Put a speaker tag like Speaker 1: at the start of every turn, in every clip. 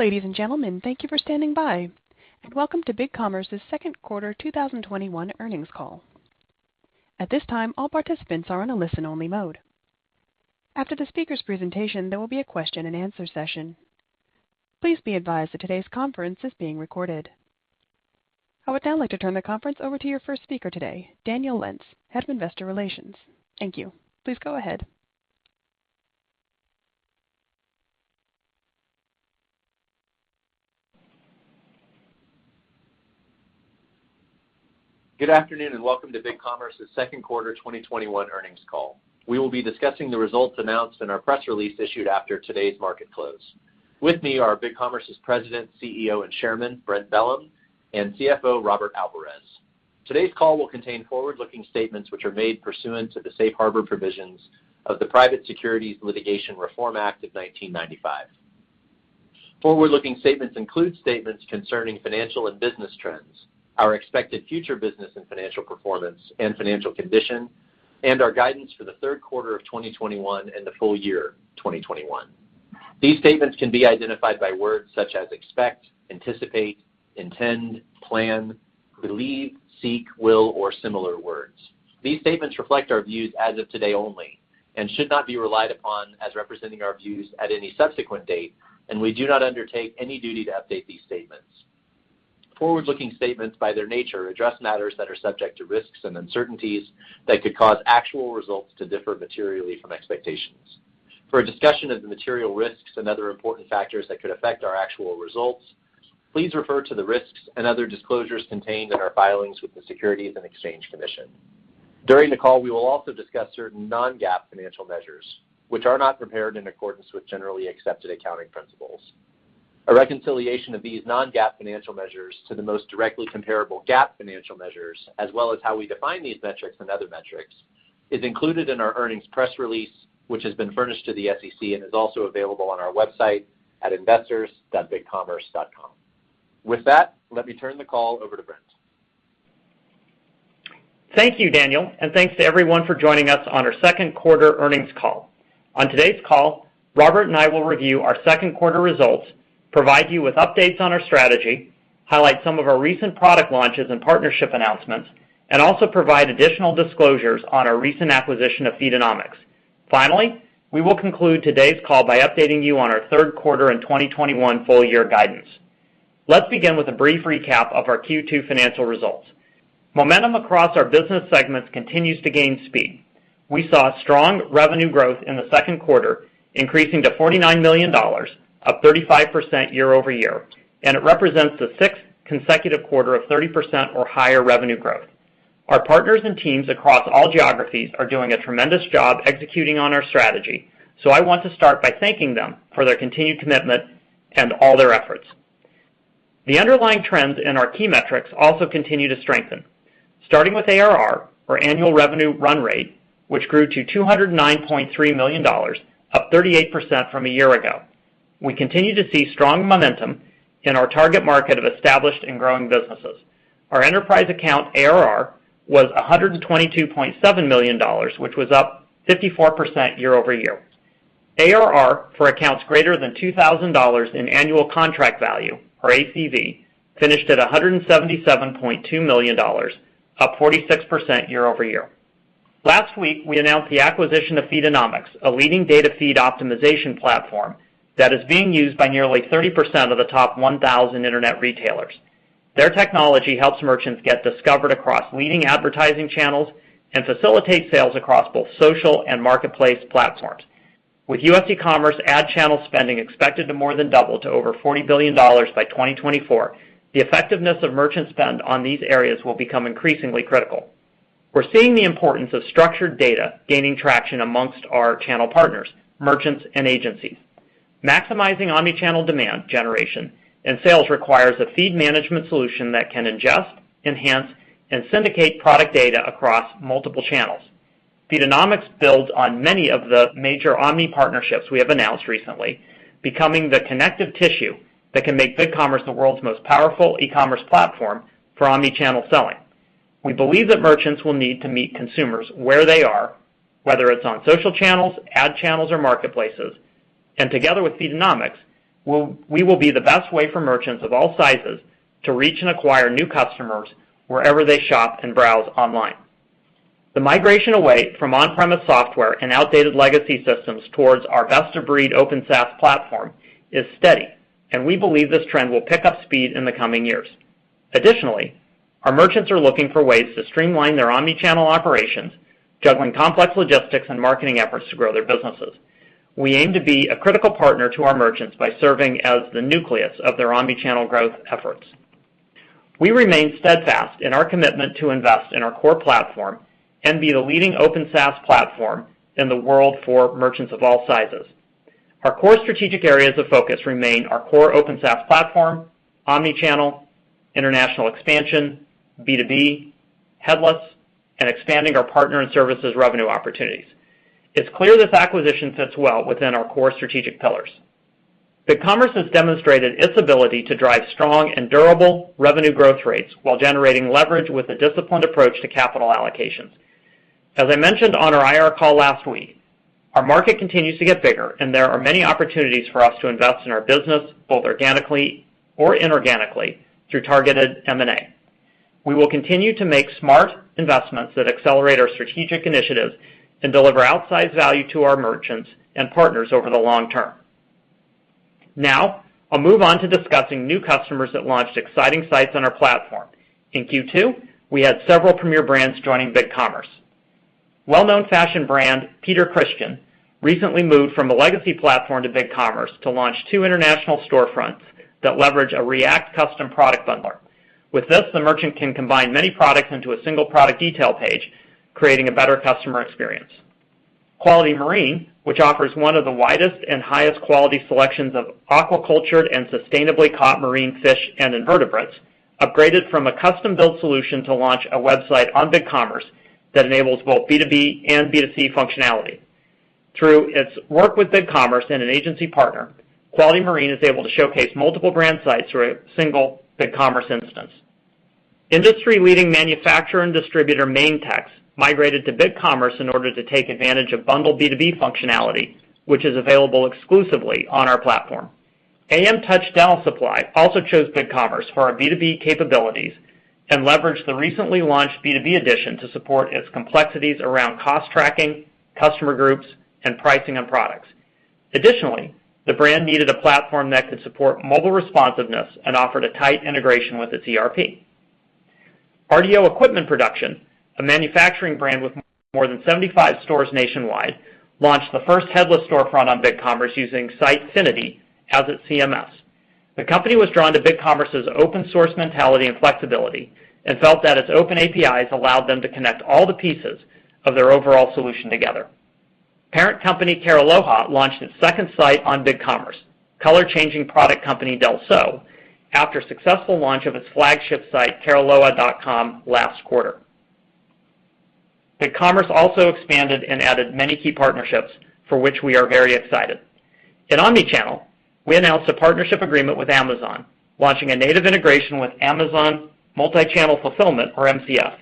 Speaker 1: Ladies and gentlemen, thank you for standing by, and welcome to BigCommerce's second quarter 2021 earnings call. At this time, all participants are on a listen-only mode. After the speaker's presentation, there will be a question-and-answer session. Please be advised that today's conference is being recorded. I would now like to turn the conference over to your first speaker today, Daniel Lentz, Head of Investor Relations. Thank you. Please go ahead.
Speaker 2: Good afternoon, welcome to BigCommerce's second quarter 2021 earnings call. We will be discussing the results announced in our press release issued after today's market close. With me are BigCommerce's President, CEO, and Chairman, Brent Bellm, and CFO, Robert Alvarez. Today's call will contain forward-looking statements which are made pursuant to the safe harbor provisions of the Private Securities Litigation Reform Act of 1995. Forward-looking statements include statements concerning financial and business trends, our expected future business and financial performance and financial condition, and our guidance for the third quarter of 2021 and the full year 2021. These statements can be identified by words such as expect, anticipate, intend, plan, believe, seek, will, or similar words. These statements reflect our views as of today only and should not be relied upon as representing our views at any subsequent date, and we do not undertake any duty to update these statements. Forward-looking statements, by their nature, address matters that are subject to risks and uncertainties that could cause actual results to differ materially from expectations. For a discussion of the material risks and other important factors that could affect our actual results, please refer to the risks and other disclosures contained in our filings with the Securities and Exchange Commission. During the call, we will also discuss certain non-GAAP financial measures, which are not prepared in accordance with generally accepted accounting principles. A reconciliation of these non-GAAP financial measures to the most directly comparable GAAP financial measures, as well as how we define these metrics and other metrics, is included in our earnings press release, which has been furnished to the SEC and is also available on our website at investors.bigcommerce.com. With that, let me turn the call over to Brent.
Speaker 3: Thank you, Daniel, thanks to everyone for joining us on our second quarter earnings call. On today's call, Robert and I will review our second quarter results, provide you with updates on our strategy, highlight some of our recent product launches and partnership announcements, and also provide additional disclosures on our recent acquisition of Feedonomics. Finally, we will conclude today's call by updating you on our third quarter and 2021 full-year guidance. Let's begin with a brief recap of our Q2 financial results. Momentum across our business segments continues to gain speed. We saw strong revenue growth in the second quarter, increasing to $49 million, up 35% year-over-year, and it represents the sixth consecutive quarter of 30% or higher revenue growth. Our partners and teams across all geographies are doing a tremendous job executing on our strategy. I want to start by thanking them for their continued commitment and all their efforts. The underlying trends in our key metrics also continue to strengthen. Starting with ARR, or annual revenue run rate, which grew to $209.3 million, up 38% from a year ago. We continue to see strong momentum in our target market of established and growing businesses. Our enterprise account ARR was $122.7 million, which was up 54% year-over-year. ARR for accounts greater than $2,000 in annual contract value, or ACV, finished at $177.2 million, up 46% year-over-year. Last week, we announced the acquisition of Feedonomics, a leading data feed optimization platform that is being used by nearly 30% of the top 1,000 Internet retailers. Their technology helps merchants get discovered across leading advertising channels and facilitate sales across both social and marketplace platforms. With U.S. ecommerce ad channel spending expected to more than double to over $40 billion by 2024, the effectiveness of merchant spend on these areas will become increasingly critical. We are seeing the importance of structured data gaining traction amongst our channel partners, merchants, and agencies. Maximizing omni-channel demand generation and sales requires a feed management solution that can ingest, enhance, and syndicate product data across multiple channels. Feedonomics builds on many of the major omni partnerships we have announced recently, becoming the connective tissue that can make BigCommerce the world's most powerful ecommerce platform for omni-channel selling. We believe that merchants will need to meet consumers where they are, whether it is on social channels, ad channels, or marketplaces. Together with Feedonomics, we will be the best way for merchants of all sizes to reach and acquire new customers wherever they shop and browse online. The migration away from on-premise software and outdated legacy systems towards our best-of-breed Open SaaS platform is steady, and we believe this trend will pick up speed in the coming years. Additionally, our merchants are looking for ways to streamline their omni-channel operations, juggling complex logistics and marketing efforts to grow their businesses. We aim to be a critical partner to our merchants by serving as the nucleus of their omni-channel growth efforts. We remain steadfast in our commitment to invest in our core platform and be the leading Open SaaS platform in the world for merchants of all sizes. Our core strategic areas of focus remain our core Open SaaS platform, omni-channel, international expansion, B2B, headless, and expanding our partner and services revenue opportunities. It's clear this acquisition fits well within our core strategic pillars. BigCommerce has demonstrated its ability to drive strong and durable revenue growth rates while generating leverage with a disciplined approach to capital allocations. As I mentioned on our IR call last week, our market continues to get bigger and there are many opportunities for us to invest in our business, both organically or inorganically through targeted M&A. We will continue to make smart investments that accelerate our strategic initiatives and deliver outsized value to our merchants and partners over the long term. Now, I'll move on to discussing new customers that launched exciting sites on our platform. In Q2, we had several premier brands joining BigCommerce. Well-known fashion brand Peter Christian recently moved from a legacy platform to BigCommerce to launch two international storefronts that leverage a React custom product bundler. With this, the merchant can combine many products into a single product detail page, creating a better customer experience. Quality Marine, which offers one of the widest and highest quality selections of aquacultured and sustainably caught marine fish and invertebrates, upgraded from a custom-built solution to launch a website on BigCommerce that enables both B2B and B2C functionality. Through its work with BigCommerce and an agency partner, Quality Marine is able to showcase multiple brand sites through a single BigCommerce instance. Industry-leading manufacturer and distributor Maintex migrated to BigCommerce in order to take advantage of Bundle B2B functionality, which is available exclusively on our platform Amtouch Dental Supply also chose BigCommerce for our B2B capabilities and leveraged the recently launched B2B Edition to support its complexities around cost tracking, customer groups, and pricing of products. Additionally, the brand needed a platform that could support mobile responsiveness and offered a tight integration with its ERP. RDO Equipment Production, a manufacturing brand with more than 75 stores nationwide, launched the first headless storefront on BigCommerce using Sitefinity as its CMS. The company was drawn to BigCommerce's open source mentality and flexibility and felt that its open APIs allowed them to connect all the pieces of their overall solution together. Parent company Cariloha launched its second site on BigCommerce, color-changing product company Del Sol, after successful launch of its flagship site, cariloha.com, last quarter. BigCommerce also expanded and added many key partnerships for which we are very excited. In omnichannel, we announced a partnership agreement with Amazon, launching a native integration with Amazon Multi-Channel Fulfillment, or MCF.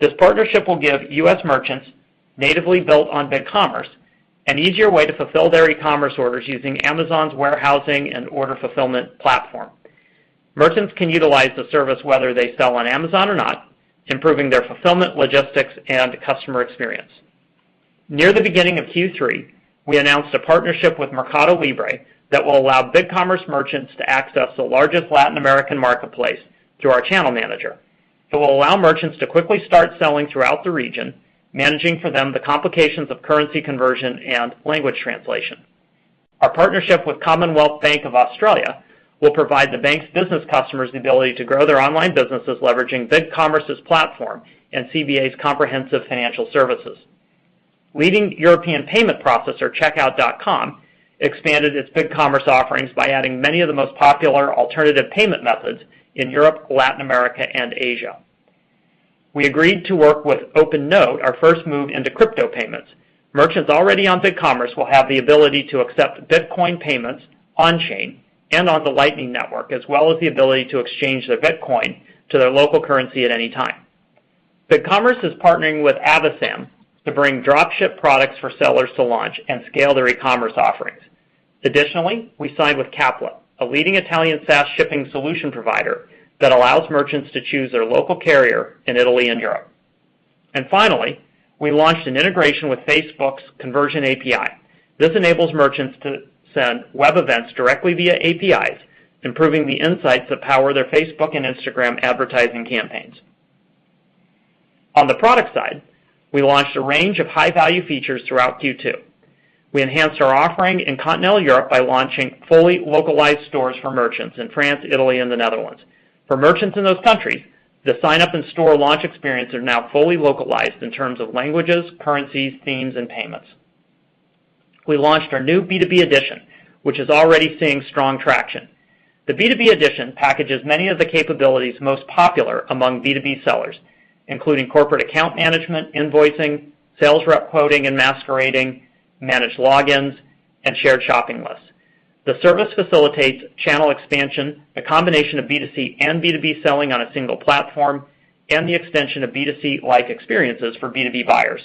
Speaker 3: This partnership will give U.S. merchants natively built on BigCommerce an easier way to fulfill their e-commerce orders using Amazon's warehousing and order fulfillment platform. Merchants can utilize the service whether they sell on Amazon or not, improving their fulfillment, logistics, and customer experience. Near the beginning of Q3, we announced a partnership with Mercado Libre that will allow BigCommerce merchants to access the largest Latin American marketplace through our channel manager. It will allow merchants to quickly start selling throughout the region, managing for them the complications of currency conversion and language translation. Our partnership with Commonwealth Bank of Australia will provide the bank's business customers the ability to grow their online businesses, leveraging BigCommerce's platform and CBA's comprehensive financial services. Leading European payment processor Checkout.com expanded its BigCommerce offerings by adding many of the most popular alternative payment methods in Europe, Latin America, and Asia. We agreed to work with OpenNode, our first move into crypto payments. Merchants already on BigCommerce will have the ability to accept Bitcoin payments on-chain and on the Lightning Network, as well as the ability to exchange their Bitcoin to their local currency at any time. BigCommerce is partnering with Avasam to bring drop-ship products for sellers to launch and scale their e-commerce offerings. Additionally, we signed with Qapla', a leading Italian SaaS shipping solution provider that allows merchants to choose their local carrier in Italy and Europe. Finally, we launched an integration with Facebook's Conversions API. This enables merchants to send web events directly via APIs, improving the insights that power their Facebook and Instagram advertising campaigns. On the product side, we launched a range of high-value features throughout Q2. We enhanced our offering in Continental Europe by launching fully localized stores for merchants in France, Italy, and the Netherlands. For merchants in those countries, the sign-up and store launch experience are now fully localized in terms of languages, currencies, themes, and payments. We launched our new B2B Edition, which is already seeing strong traction. The B2B Edition packages many of the capabilities most popular among B2B sellers, including corporate account management, invoicing, sales rep quoting and masquerading, managed logins, and shared shopping lists. The service facilitates channel expansion, a combination of B2C and B2B selling on a single platform, and the extension of B2C-like experiences for B2B buyers.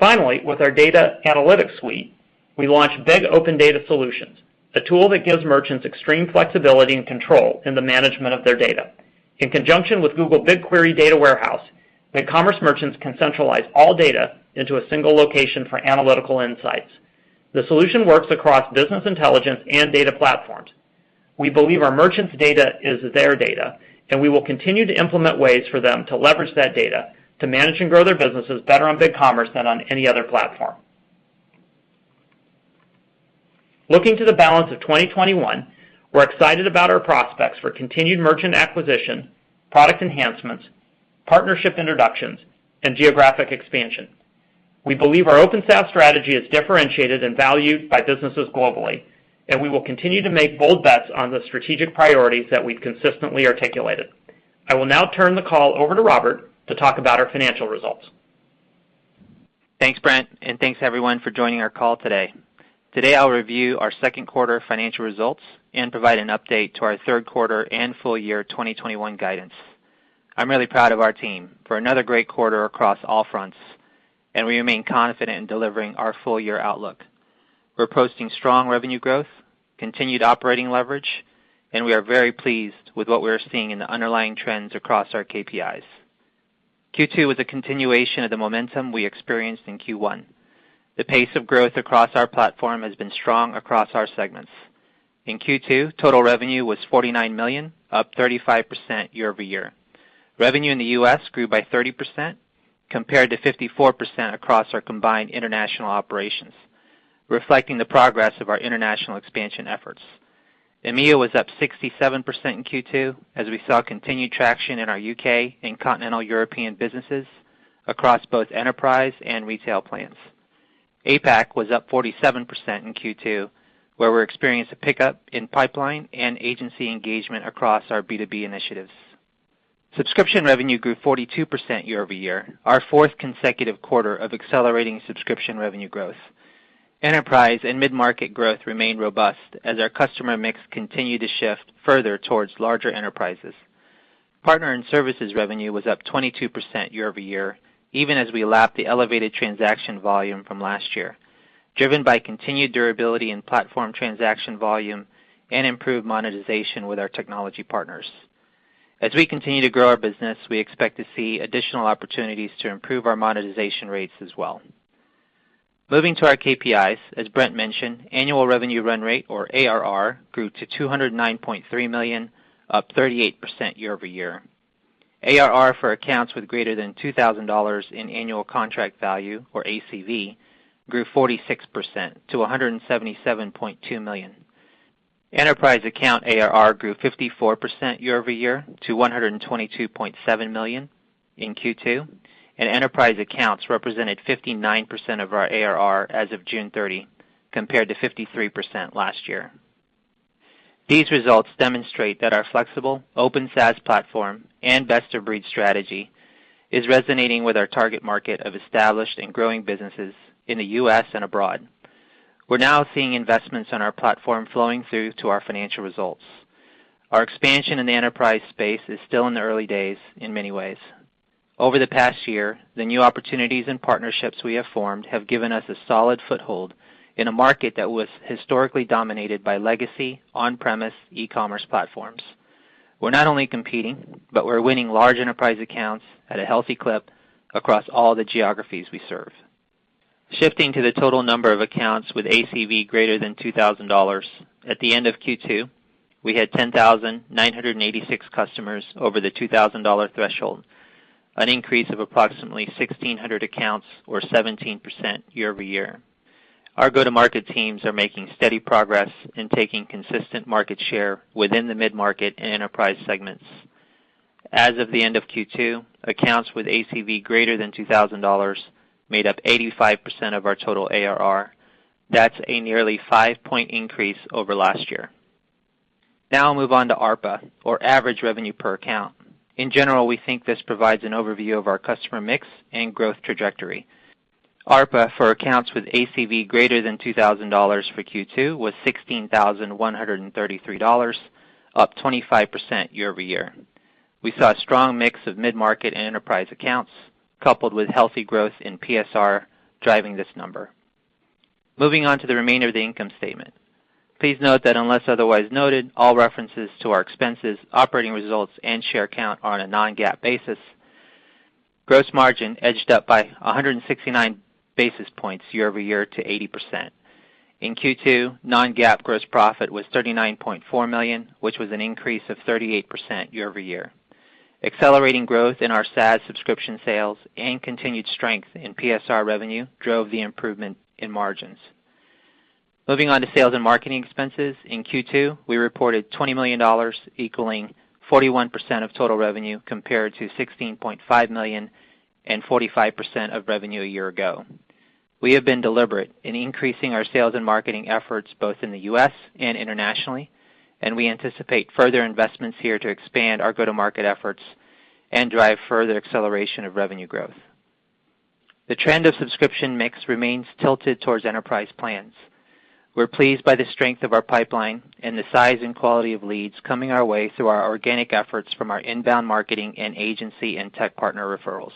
Speaker 3: Finally, with our data analytics suite, we launched Big Open Data Solutions, a tool that gives merchants extreme flexibility and control in the management of their data. In conjunction with Google BigQuery data warehouse, BigCommerce merchants can centralize all data into a single location for analytical insights. The solution works across business intelligence and data platforms. We believe our merchants' data is their data, and we will continue to implement ways for them to leverage that data to manage and grow their businesses better on BigCommerce than on any other platform. Looking to the balance of 2021, we're excited about our prospects for continued merchant acquisition, product enhancements, partnership introductions, and geographic expansion. We believe our open SaaS strategy is differentiated and valued by businesses globally, and we will continue to make bold bets on the strategic priorities that we've consistently articulated. I will now turn the call over to Robert to talk about our financial results.
Speaker 4: Thanks, Brent, and thanks everyone for joining our call today. Today, I'll review our second quarter financial results and provide an update to our third quarter and full year 2021 guidance. I'm really proud of our team for another great quarter across all fronts, and we remain confident in delivering our full-year outlook. We're posting strong revenue growth, continued operating leverage, and we are very pleased with what we are seeing in the underlying trends across our KPIs. Q2 was a continuation of the momentum we experienced in Q1. The pace of growth across our platform has been strong across our segments. In Q2, total revenue was $49 million, up 35% year-over-year. Revenue in the U.S. grew by 30%, compared to 54% across our combined international operations, reflecting the progress of our international expansion efforts. EMEA was up 67% in Q2, as we saw continued traction in our U.K. and continental European businesses across both enterprise and retail plans. APAC was up 47% in Q2, where we experienced a pickup in pipeline and agency engagement across our B2B initiatives. Subscription revenue grew 42% year-over-year, our fourth consecutive quarter of accelerating subscription revenue growth. Enterprise and mid-market growth remain robust as our customer mix continued to shift further towards larger enterprises. Partner and services revenue was up 22% year-over-year, even as we lapped the elevated transaction volume from last year, driven by continued durability in platform transaction volume and improved monetization with our technology partners. As we continue to grow our business, we expect to see additional opportunities to improve our monetization rates as well. Moving to our KPIs, as Brent mentioned, annual revenue run rate, or ARR, grew to $209.3 million, up 38% year-over-year. ARR for accounts with greater than $2,000 in annual contract value, or ACV, grew 46% to $177.2 million. Enterprise account ARR grew 54% year-over-year to $122.7 million in Q2. Enterprise accounts represented 59% of our ARR as of June 30, compared to 53% last year. These results demonstrate that our flexible open SaaS platform and best-of-breed strategy is resonating with our target market of established and growing businesses in the U.S. and abroad. We're now seeing investments on our platform flowing through to our financial results. Our expansion in the enterprise space is still in the early days in many ways. Over the past year, the new opportunities and partnerships we have formed have given us a solid foothold in a market that was historically dominated by legacy on-premise e-commerce platforms. We're not only competing, but we're winning large enterprise accounts at a healthy clip across all the geographies we serve. Shifting to the total number of accounts with ACV greater than $2,000, at the end of Q2, we had 10,986 customers over the $2,000 threshold, an increase of approximately 1,600 accounts or 17% year-over-year. Our go-to-market teams are making steady progress in taking consistent market share within the mid-market and enterprise segments. As of the end of Q2, accounts with ACV greater than $2,000 made up 85% of our total ARR. That's a nearly five-point increase over last year. Now I'll move on to ARPA, or average revenue per account. In general, we think this provides an overview of our customer mix and growth trajectory. ARPA for accounts with ACV greater than $2,000 for Q2 was $16,133, up 25% year-over-year. We saw a strong mix of mid-market and enterprise accounts, coupled with healthy growth in PSR, driving this number. Moving on to the remainder of the income statement. Please note that unless otherwise noted, all references to our expenses, operating results, and share count are on a non-GAAP basis. Gross margin edged up by 169 basis points year-over-year to 80%. In Q2, non-GAAP gross profit was $39.4 million, which was an increase of 38% year-over-year. Accelerating growth in our SaaS subscription sales and continued strength in PSR revenue drove the improvement in margins. Moving on to sales and marketing expenses. In Q2, we reported $20 million, equaling 41% of total revenue, compared to $16.5 million and 45% of revenue a year ago. We have been deliberate in increasing our sales and marketing efforts both in the U.S. and internationally, and we anticipate further investments here to expand our go-to-market efforts and drive further acceleration of revenue growth. The trend of subscription mix remains tilted towards enterprise plans. We're pleased by the strength of our pipeline and the size and quality of leads coming our way through our organic efforts from our inbound marketing and agency and tech partner referrals.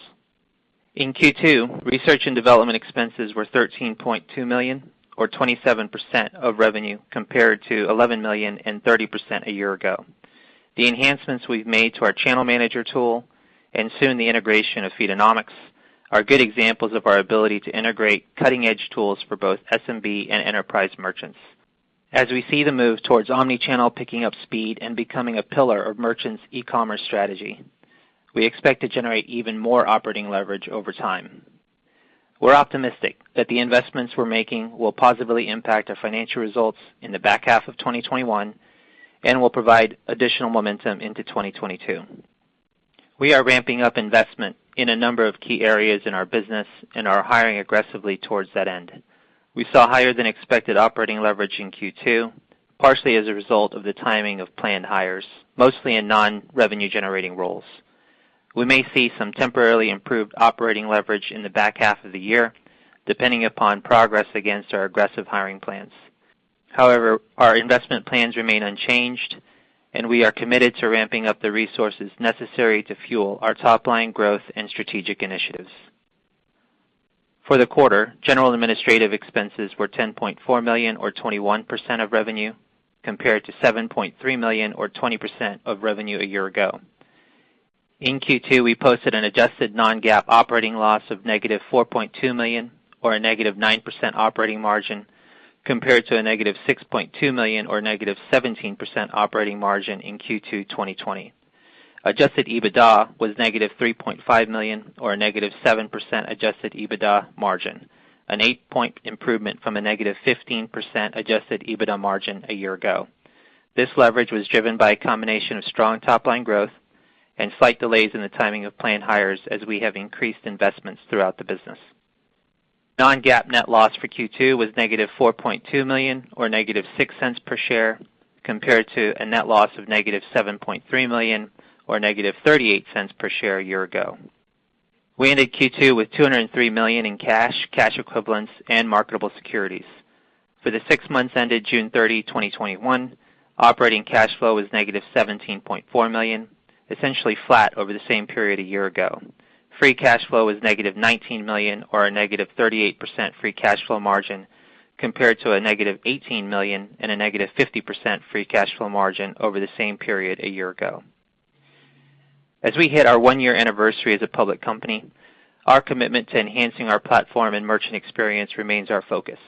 Speaker 4: In Q2, research and development expenses were $13.2 million, or 27% of revenue, compared to $11 million and 30% a year ago. The enhancements we've made to our channel manager tool, and soon the integration of Feedonomics, are good examples of our ability to integrate cutting-edge tools for both SMB and enterprise merchants. As we see the move towards omni-channel picking up speed and becoming a pillar of merchants' e-commerce strategy, we expect to generate even more operating leverage over time. We're optimistic that the investments we're making will positively impact our financial results in the back half of 2021 and will provide additional momentum into 2022. We are ramping up investment in a number of key areas in our business and are hiring aggressively towards that end. We saw higher than expected operating leverage in Q2. Partially as a result of the timing of planned hires, mostly in non-revenue generating roles. We may see some temporarily improved operating leverage in the back half of the year, depending upon progress against our aggressive hiring plans. However, our investment plans remain unchanged, and we are committed to ramping up the resources necessary to fuel our top-line growth and strategic initiatives. For the quarter, general administrative expenses were $10.4 million, or 21% of revenue, compared to $7.3 million, or 20% of revenue a year ago. In Q2, we posted an adjusted non-GAAP operating loss of -$4.2 million, or a -9% operating margin, compared to a -$6.2 million, or -17% operating margin in Q2 2020. Adjusted EBITDA was -$3.5 million, or a -7% adjusted EBITDA margin, an eight-point improvement from a -15% adjusted EBITDA margin a year ago. This leverage was driven by a combination of strong top-line growth and slight delays in the timing of planned hires, as we have increased investments throughout the business. Non-GAAP net loss for Q2 was -$4.2 million, or -$0.06 per share, compared to a net loss of -$7.3 million, or -$0.38 per share a year ago. We ended Q2 with $203 million in cash equivalents, and marketable securities. For the six months ended June 30, 2021, operating cash flow was -$17.4 million, essentially flat over the same period a year ago. Free cash flow was -$19 million, or a -38% free cash flow margin, compared to -$18 million and a -50% free cash flow margin over the same period a year ago. As we hit our one-year anniversary as a public company, our commitment to enhancing our platform and merchant experience remains our focus.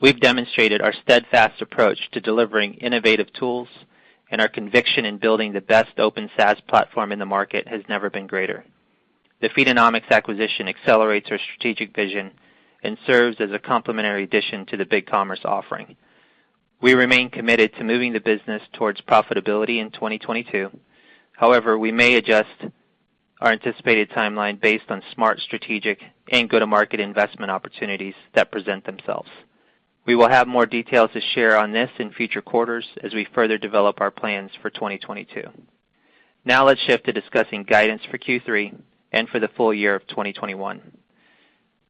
Speaker 4: We've demonstrated our steadfast approach to delivering innovative tools, and our conviction in building the best open SaaS platform in the market has never been greater. The Feedonomics acquisition accelerates our strategic vision and serves as a complementary addition to the BigCommerce offering. We remain committed to moving the business towards profitability in 2022. However, we may adjust our anticipated timeline based on smart strategic and go-to-market investment opportunities that present themselves. We will have more details to share on this in future quarters as we further develop our plans for 2022. Now let's shift to discussing guidance for Q3 and for the full year of 2021.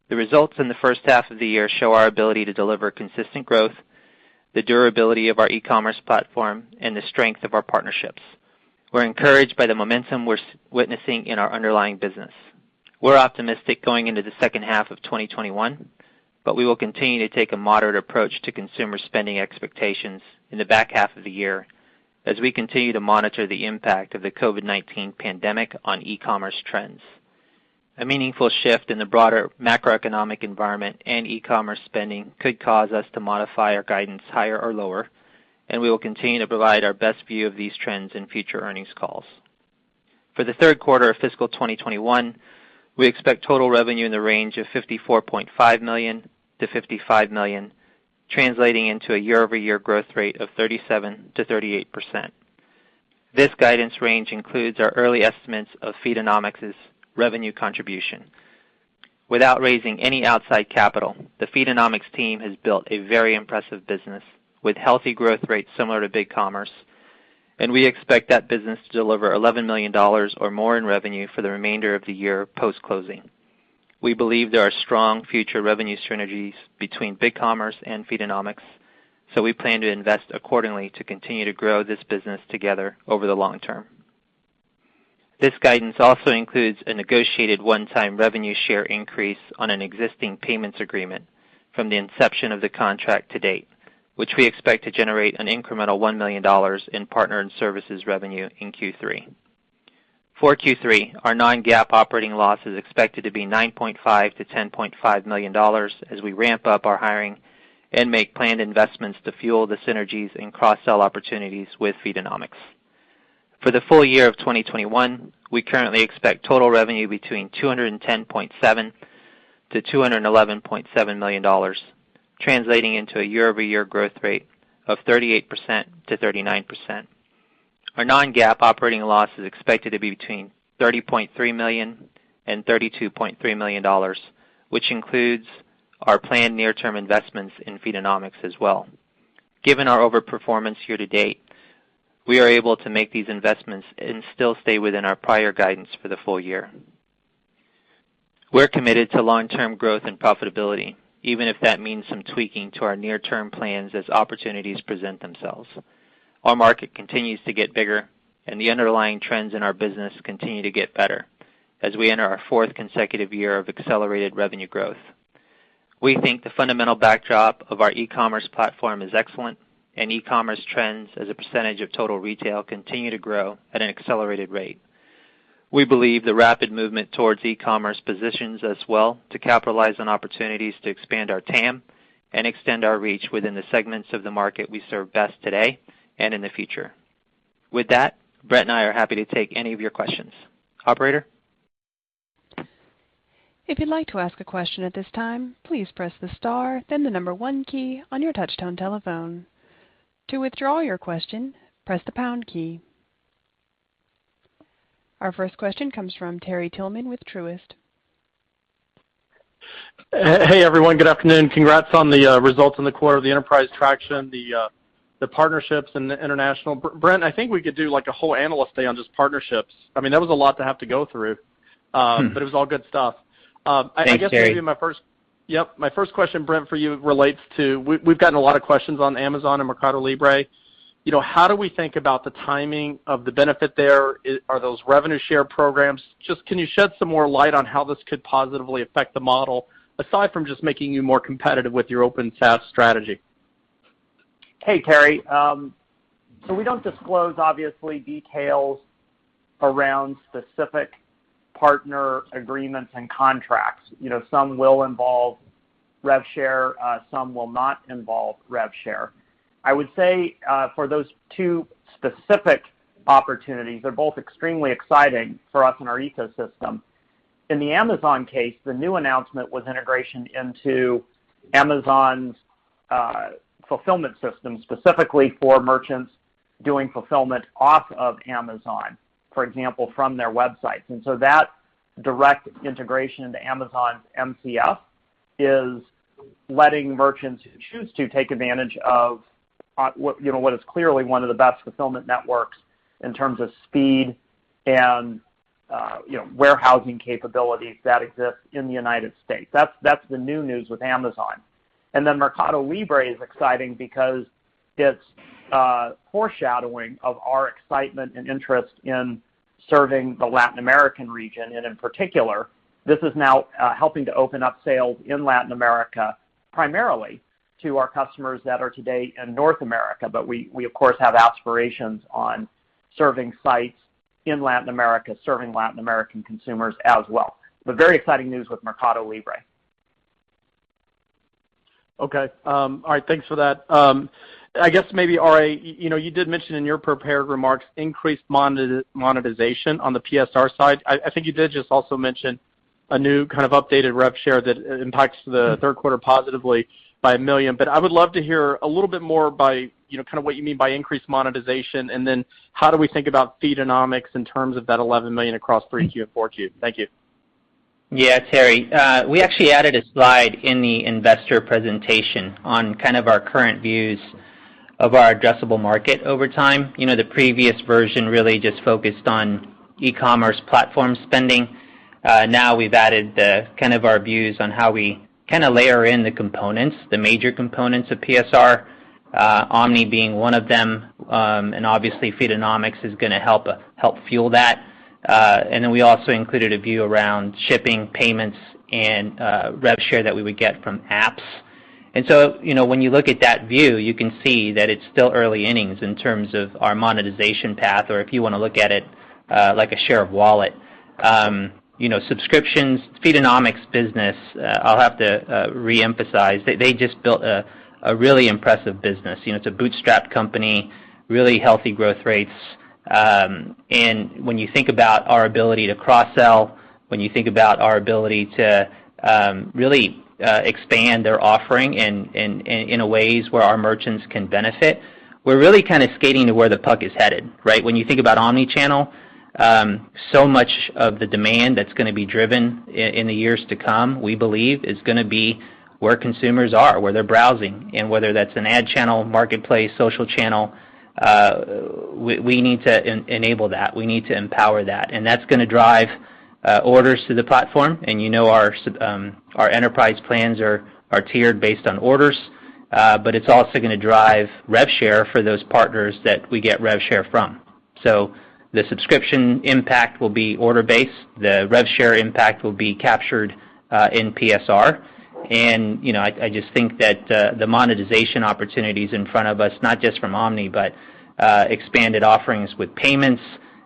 Speaker 4: The results in the first half of the year show our ability to deliver consistent growth, the durability of our e-commerce platform, and the strength of our partnerships. We're encouraged by the momentum we're witnessing in our underlying business. We're optimistic going into the second half of 2021, we will continue to take a moderate approach to consumer spending expectations in the back half of the year as we continue to monitor the impact of the COVID-19 pandemic on e-commerce trends. A meaningful shift in the broader macroeconomic environment and e-commerce spending could cause us to modify our guidance higher or lower, we will continue to provide our best view of these trends in future earnings calls. For the third quarter of fiscal 2021, we expect total revenue in the range of $54.5 million-$55 million, translating into a year-over-year growth rate of 37%-38%. This guidance range includes our early estimates of Feedonomics' revenue contribution. Without raising any outside capital, the Feedonomics team has built a very impressive business with healthy growth rates similar to BigCommerce, and we expect that business to deliver $11 million or more in revenue for the remainder of the year post-closing. We believe there are strong future revenue synergies between BigCommerce and Feedonomics, so we plan to invest accordingly to continue to grow this business together over the long term. This guidance also includes a negotiated one-time revenue share increase on an existing payments agreement from the inception of the contract to date, which we expect to generate an incremental $1 million in partner and services revenue in Q3. For Q3, our non-GAAP operating loss is expected to be $9.5 million-$10.5 million as we ramp up our hiring and make planned investments to fuel the synergies and cross-sell opportunities with Feedonomics. For the full year of 2021, we currently expect total revenue between $210.7 million and $211.7 million, translating into a year-over-year growth rate of 38%-39%. Our non-GAAP operating loss is expected to be between $30.3 million and $32.3 million, which includes our planned near-term investments in Feedonomics as well. Given our overperformance year-to-date, we are able to make these investments and still stay within our prior guidance for the full year. We're committed to long-term growth and profitability, even if that means some tweaking to our near-term plans as opportunities present themselves. Our market continues to get bigger, and the underlying trends in our business continue to get better as we enter our fourth consecutive year of accelerated revenue growth. We think the fundamental backdrop of our e-commerce platform is excellent, and e-commerce trends as a percentage of total retail continue to grow at an accelerated rate. We believe the rapid movement towards e-commerce positions us well to capitalize on opportunities to expand our TAM and extend our reach within the segments of the market we serve best today and in the future. With that, Brent and I are happy to take any of your questions. Operator?
Speaker 1: Our first question comes from Terry Tillman with Truist.
Speaker 5: Hey, everyone. Good afternoon. Congrats on the results in the quarter of the enterprise traction, the partnerships and the international. Brent, I think we could do a whole analyst day on just partnerships. I mean, that was a lot to have to go through, but it was all good stuff.
Speaker 4: Thanks, Terry.
Speaker 5: I guess maybe my first question, Brent, for you relates to, we've gotten a lot of questions on Amazon and Mercado Libre. How do we think about the timing of the benefit there? Are those revenue share programs? Can you shed some more light on how this could positively affect the model, aside from just making you more competitive with your open SaaS strategy?
Speaker 3: Hey, Terry. We don't disclose, obviously, details around specific partner agreements and contracts. Some will involve rev share, some will not involve rev share. I would say, for those two specific opportunities, they're both extremely exciting for us in our ecosystem. In the Amazon case, the new announcement was integration into Amazon's fulfillment system, specifically for merchants doing fulfillment off of Amazon, for example, from their websites. That direct integration into Amazon's MCF is letting merchants who choose to take advantage of what is clearly one of the best fulfillment networks in terms of speed and warehousing capabilities that exist in the U.S. That's the new news with Amazon. Mercado Libre is exciting because it's foreshadowing of our excitement and interest in serving the Latin American region. In particular, this is now helping to open up sales in Latin America, primarily to our customers that are today in North America. We, of course, have aspirations on serving sites in Latin America, serving Latin American consumers as well. Very exciting news with Mercado Libre.
Speaker 5: Okay. All right, thanks for that. I guess maybe, RA, you did mention in your prepared remarks increased monetization on the PSR side. I think you did just also mention a new kind of updated rev share that impacts the third quarter positively by $1 million. I would love to hear a little bit more by kind of what you mean by increased monetization, and then how do we think about Feedonomics in terms of that $11 million across 3Q and 4Q? Thank you.
Speaker 4: Yeah, Terry. We actually added a slide in the investor presentation on kind of our current views of our addressable market over time. The previous version really just focused on e-commerce platform spending. We've added the kind of our views on how we layer in the components, the major components of PSR, Omni being one of them, and obviously Feedonomics is going to help fuel that. We also included a view around shipping payments and rev share that we would get from apps. When you look at that view, you can see that it's still early innings in terms of our monetization path, or if you want to look at it like a share of wallet. Subscriptions, Feedonomics business, I'll have to reemphasize, they just built a really impressive business. It's a bootstrap company, really healthy growth rates. When you think about our ability to cross-sell, when you think about our ability to really expand their offering in a ways where our merchants can benefit, we're really kind of skating to where the puck is headed, right? When you think about omni-channel, so much of the demand that's going to be driven in the years to come, we believe, is going to be where consumers are, where they're browsing. Whether that's an ad channel, marketplace, social channel, we need to enable that. We need to empower that. That's going to drive orders to the platform, and you know our enterprise plans are tiered based on orders. It's also going to drive rev share for those partners that we get rev share from. The subscription impact will be order-based. The rev share impact will be captured in PSR. I just think that the monetization opportunities in front of us, not just from Omni, but expanded offerings with payments,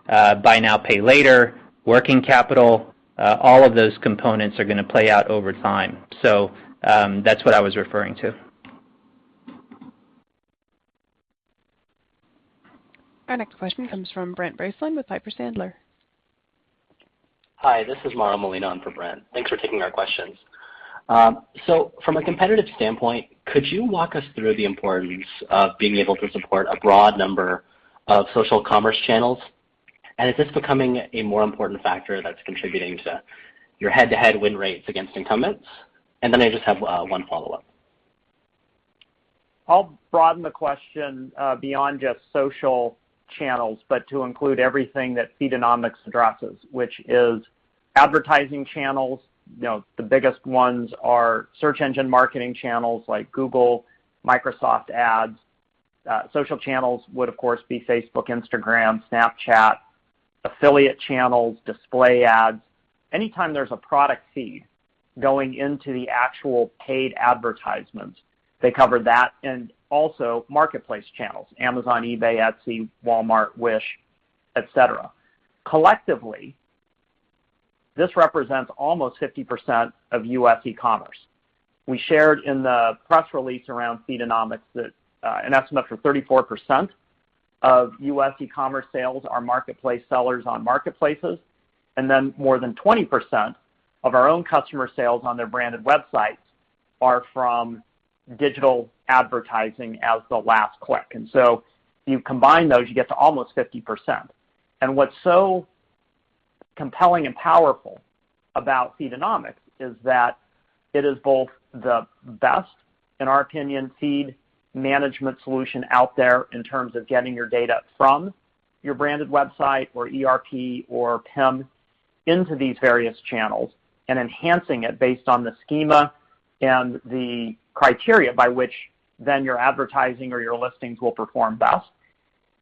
Speaker 4: buy now, pay later, working capital, all of those components are going to play out over time. That's what I was referring to.
Speaker 1: Our next question comes from Brent Bracelin with Piper Sandler.
Speaker 6: Hi, this is Mauro Molina on for Brent. Thanks for taking our questions. From a competitive standpoint, could you walk us through the importance of being able to support a broad number of social commerce channels? Is this becoming a more important factor that's contributing to your head-to-head win rates against incumbents? I just have one follow-up.
Speaker 3: I'll broaden the question beyond just social channels, but to include everything that Feedonomics addresses, which is advertising channels. The biggest ones are search engine marketing channels like Google, Microsoft Advertising. Social channels would, of course, be Facebook, Instagram, Snapchat, affiliate channels, display ads. Anytime there's a product feed going into the actual paid advertisements, they cover that, and also marketplace channels, Amazon, eBay, Etsy, Walmart, Wish, et cetera. Collectively, this represents almost 50% of U.S. e-commerce. We shared in the press release around Feedonomics that an estimate for 34% of U.S. e-commerce sales are marketplace sellers on marketplaces, and then more than 20% of our own customer sales on their branded websites are from digital advertising as the last click. You combine those, you get to almost 50%. What's so compelling and powerful about Feedonomics is that it is both the best, in our opinion, feed management solution out there in terms of getting your data from your branded website or ERP or PIM into these various channels, and enhancing it based on the schema and the criteria by which then your advertising or your listings will perform best.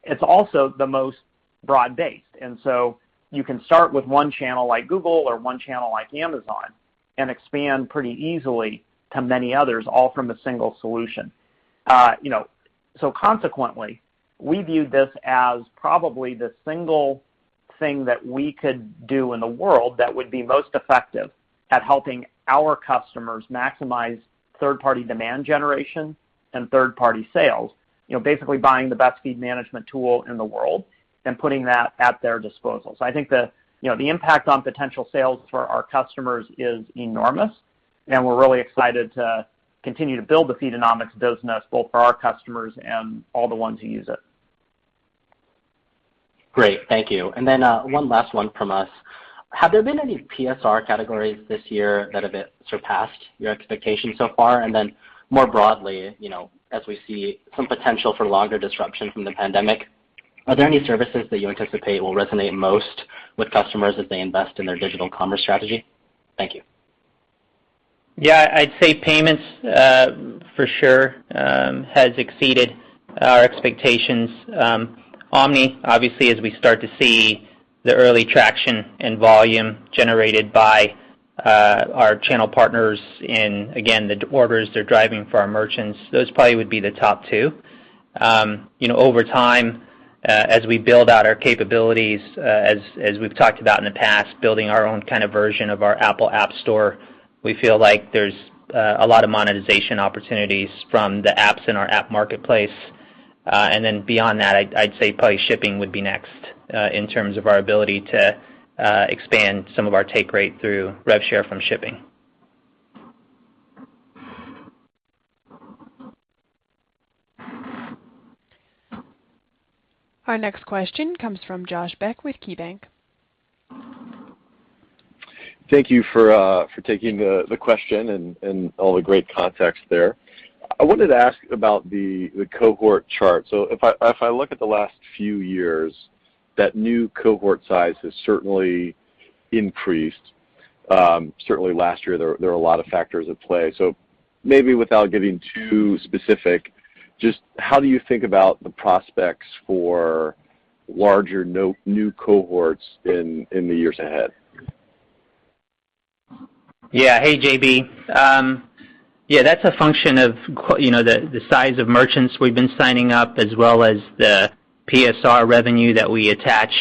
Speaker 3: It's also the most broad-based. You can start with one channel like Google or one channel like Amazon and expand pretty easily to many others, all from a single solution. Consequently, we view this as probably the single thing that we could do in the world that would be most effective at helping our customers maximize third-party demand generation and third-party sales. Basically buying the best feed management tool in the world and putting that at their disposal. I think the impact on potential sales for our customers is enormous, and we're really excited to continue to build the Feedonomics business, both for our customers and all the ones who use it.
Speaker 6: Great. Thank you. One last one from us. Have there been any PSR categories this year that have surpassed your expectations so far? More broadly, as we see some potential for longer disruption from the pandemic, are there any services that you anticipate will resonate most with customers as they invest in their digital commerce strategy? Thank you.
Speaker 4: Yeah, I'd say payments, for sure, has exceeded our expectations. Omni, obviously as we start to see the early traction and volume generated by our channel partners in, again, the orders they're driving for our merchants. Those probably would be the top two. Over time, as we build out our capabilities, as we've talked about in the past, building our own version of our Apple App Store, we feel like there's a lot of monetization opportunities from the apps in our app marketplace. Beyond that, I'd say probably shipping would be next, in terms of our ability to expand some of our take rate through rev share from shipping.
Speaker 1: Our next question comes from Josh Beck with KeyBanc.
Speaker 7: Thank you for taking the question and all the great context there. I wanted to ask about the cohort chart. If I look at the last few years, that new cohort size has certainly increased. Certainly last year, there were a lot of factors at play. Maybe without getting too specific, just how do you think about the prospects for larger new cohorts in the years ahead?
Speaker 4: Hey, JB. That's a function of the size of merchants we've been signing up, as well as the PSR revenue that we attach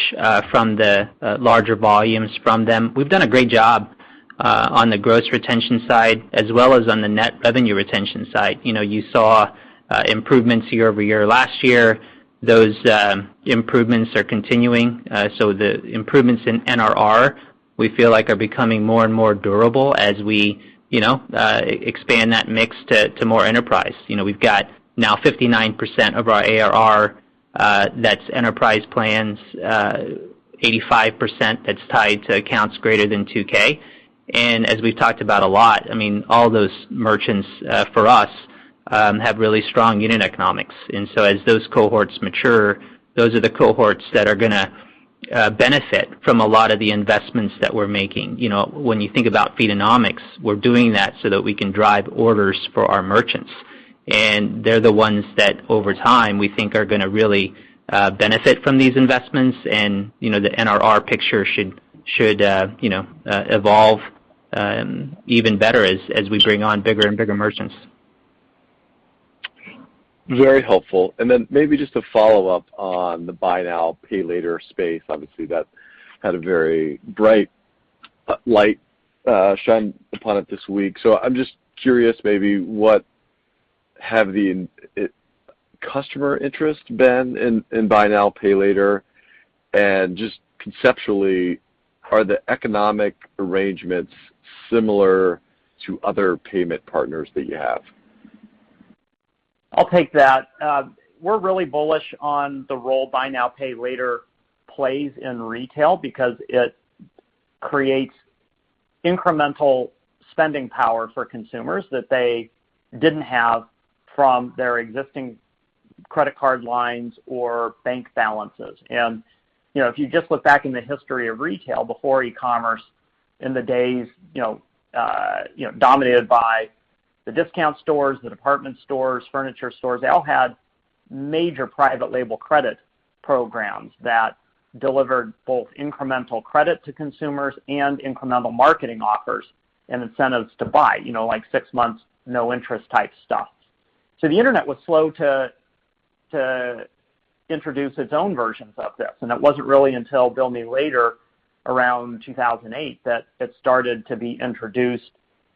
Speaker 4: from the larger volumes from them. We've done a great job on the gross retention side as well as on the net revenue retention side. You saw improvements year-over-year last year. Those improvements are continuing. The improvements in NRR, we feel like are becoming more and more durable as we expand that mix to more enterprise. We've got now 59% of our ARR that's enterprise plans, 85% that's tied to accounts greater than 2K. As we've talked about a lot, all those merchants, for us, have really strong unit economics. As those cohorts mature, those are the cohorts that are going to benefit from a lot of the investments that we're making. When you think about Feedonomics, we're doing that so that we can drive orders for our merchants. They're the ones that, over time, we think are going to really benefit from these investments, and the NRR picture should evolve even better as we bring on bigger and bigger merchants.
Speaker 7: Very helpful. Then maybe just a follow-up on the buy now, pay later space. Obviously, that had a very bright light shine upon it this week. I'm just curious maybe what have the customer interest been in buy now, pay later, and just conceptually, are the economic arrangements similar to other payment partners that you have?
Speaker 3: I'll take that. We're really bullish on the role buy now, pay later plays in retail because it creates incremental spending power for consumers that they didn't have from their existing credit card lines or bank balances. If you just look back in the history of retail, before e-commerce, in the days dominated by the discount stores, the department stores, furniture stores, they all had major private label credit programs that delivered both incremental credit to consumers and incremental marketing offers and incentives to buy, like six months, no interest type stuff. The internet was slow to introduce its own versions of this, and it wasn't really until Bill Me Later around 2008 that it started to be introduced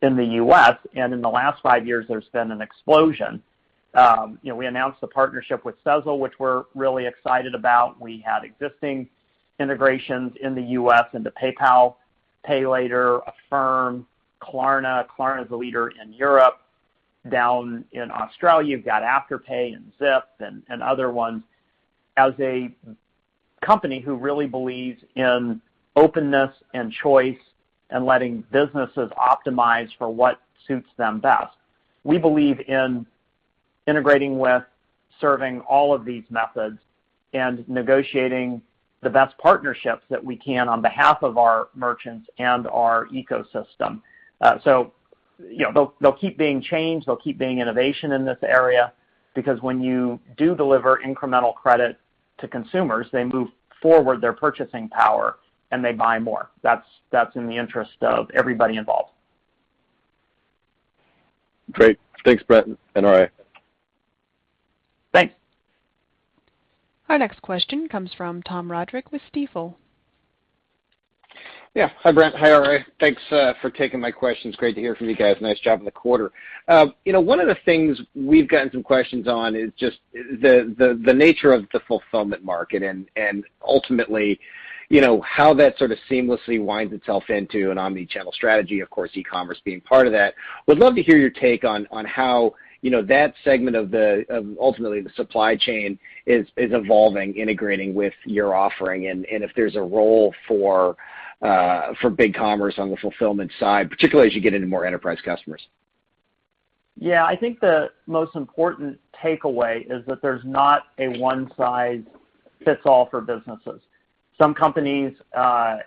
Speaker 3: in the U.S., and in the last five years, there's been an explosion. We announced the partnership with Sezzle, which we're really excited about. We had existing integrations in the U.S. into PayPal, Pay Later, Affirm, Klarna. Klarna is a leader in Europe. Down in Australia, you've got Afterpay and Zip and other ones. As a company who really believes in openness and choice and letting businesses optimize for what suits them best, we believe in integrating with serving all of these methods and negotiating the best partnerships that we can on behalf of our merchants and our ecosystem. They'll keep being changed, they'll keep being innovation in this area, because when you do deliver incremental credit to consumers, they move forward their purchasing power, and they buy more. That's in the interest of everybody involved.
Speaker 7: Great. Thanks, Brent, and RA.
Speaker 3: Thanks.
Speaker 1: Our next question comes from Tom Roderick with Stifel.
Speaker 8: Hi, Brent. Hi, RA. Thanks for taking my questions. Great to hear from you guys. Nice job in the quarter. One of the things we've gotten some questions on is just the nature of the fulfillment market and ultimately, how that sort of seamlessly winds itself into an omnichannel strategy, of course, e-commerce being part of that. Would love to hear your take on how that segment of ultimately the supply chain is evolving, integrating with your offering and if there's a role for BigCommerce on the fulfillment side, particularly as you get into more enterprise customers.
Speaker 3: I think the most important takeaway is that there's not a one-size-fits-all for businesses. Some companies have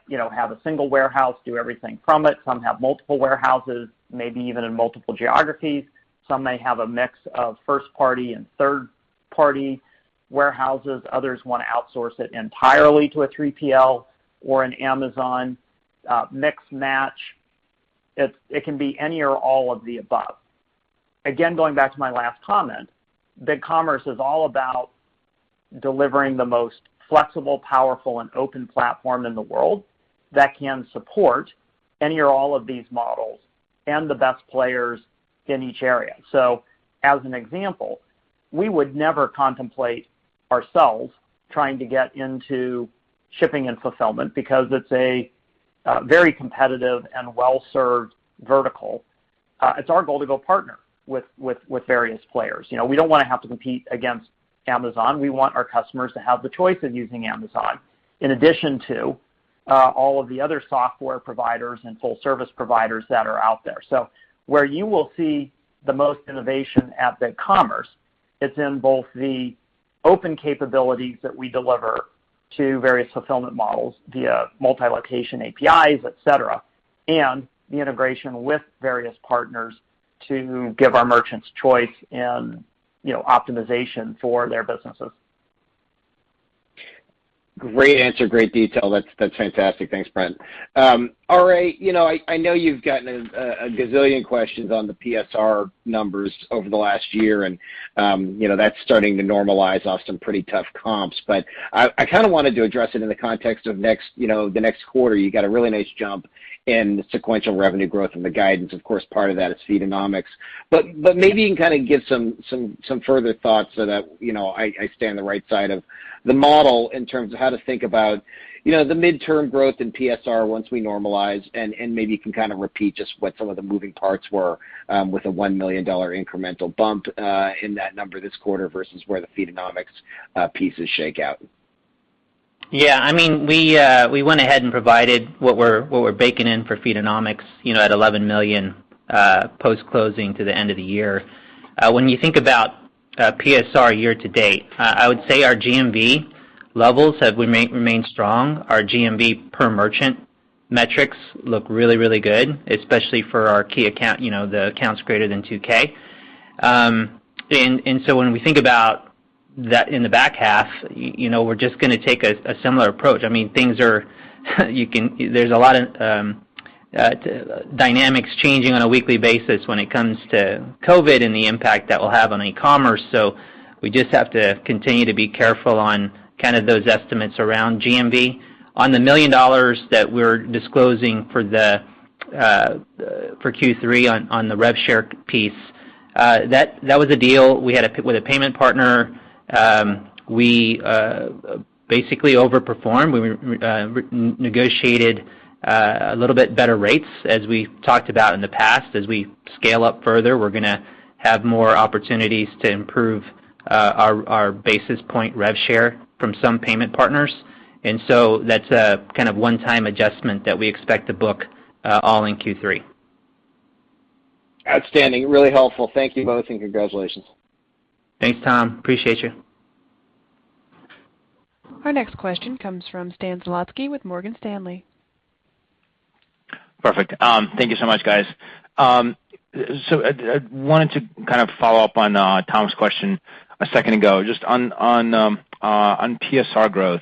Speaker 3: a single warehouse, do everything from it. Some have multiple warehouses, maybe even in multiple geographies. Some may have a mix of first-party and third-party warehouses. Others want to outsource it entirely to a 3PL or an Amazon mix match. It can be any or all of the above. Again, going back to my last comment, BigCommerce is all about delivering the most flexible, powerful, and open platform in the world that can support any or all of these models and the best players in each area. As an example, we would never contemplate ourselves trying to get into shipping and fulfillment because it's a very competitive and well-served vertical. It's our goal to go partner with various players. We don't want to have to compete against Amazon. We want our customers to have the choice of using Amazon in addition to all of the other software providers and full-service providers that are out there. Where you will see the most innovation at BigCommerce, it's in both the open capabilities that we deliver to various fulfillment models via multi-location APIs, et cetera, and the integration with various partners to give our merchants choice and optimization for their businesses.
Speaker 8: Great answer, great detail. That's fantastic. Thanks, Brent. RA, I know you've gotten a gazillion questions on the PSR numbers over the last year, and that's starting to normalize off some pretty tough comps. I kind of wanted to address it in the context of the next quarter. You got a really nice jump in sequential revenue growth and the guidance. Of course, part of that is Feedonomics. Maybe you can kind of give some further thoughts so that I stay on the right side of the model in terms of how to think about the midterm growth in PSR once we normalize and maybe you can kind of repeat just what some of the moving parts were, with a $1 million incremental bump, in that number this quarter versus where the Feedonomics pieces shake out.
Speaker 4: Yeah, we went ahead and provided what we're baking in for Feedonomics at $11 million post-closing to the end of the year. When you think about PSR year-to-date, I would say our GMV levels have remained strong. Our GMV per merchant metrics look really, really good, especially for our key account, the accounts greater than 2K. When we think about that in the back half, we're just going to take a similar approach. There's a lot of dynamics changing on a weekly basis when it comes to COVID and the impact that will have on e-commerce. We just have to continue to be careful on kind of those estimates around GMV. On the $1 million that we're disclosing for Q3 on the rev share piece, that was a deal with a payment partner. We basically overperformed. We negotiated a little bit better rates, as we talked about in the past. As we scale up further, we're going to have more opportunities to improve our basis point rev share from some payment partners. That's a kind of one-time adjustment that we expect to book all in Q3.
Speaker 8: Outstanding. Really helpful. Thank you both, and congratulations.
Speaker 4: Thanks, Tom. Appreciate you.
Speaker 1: Our next question comes from Stan Zlotsky with Morgan Stanley.
Speaker 9: Perfect. Thank you so much, guys. I wanted to kind of follow up on Tom's question a second ago, just on PSR growth.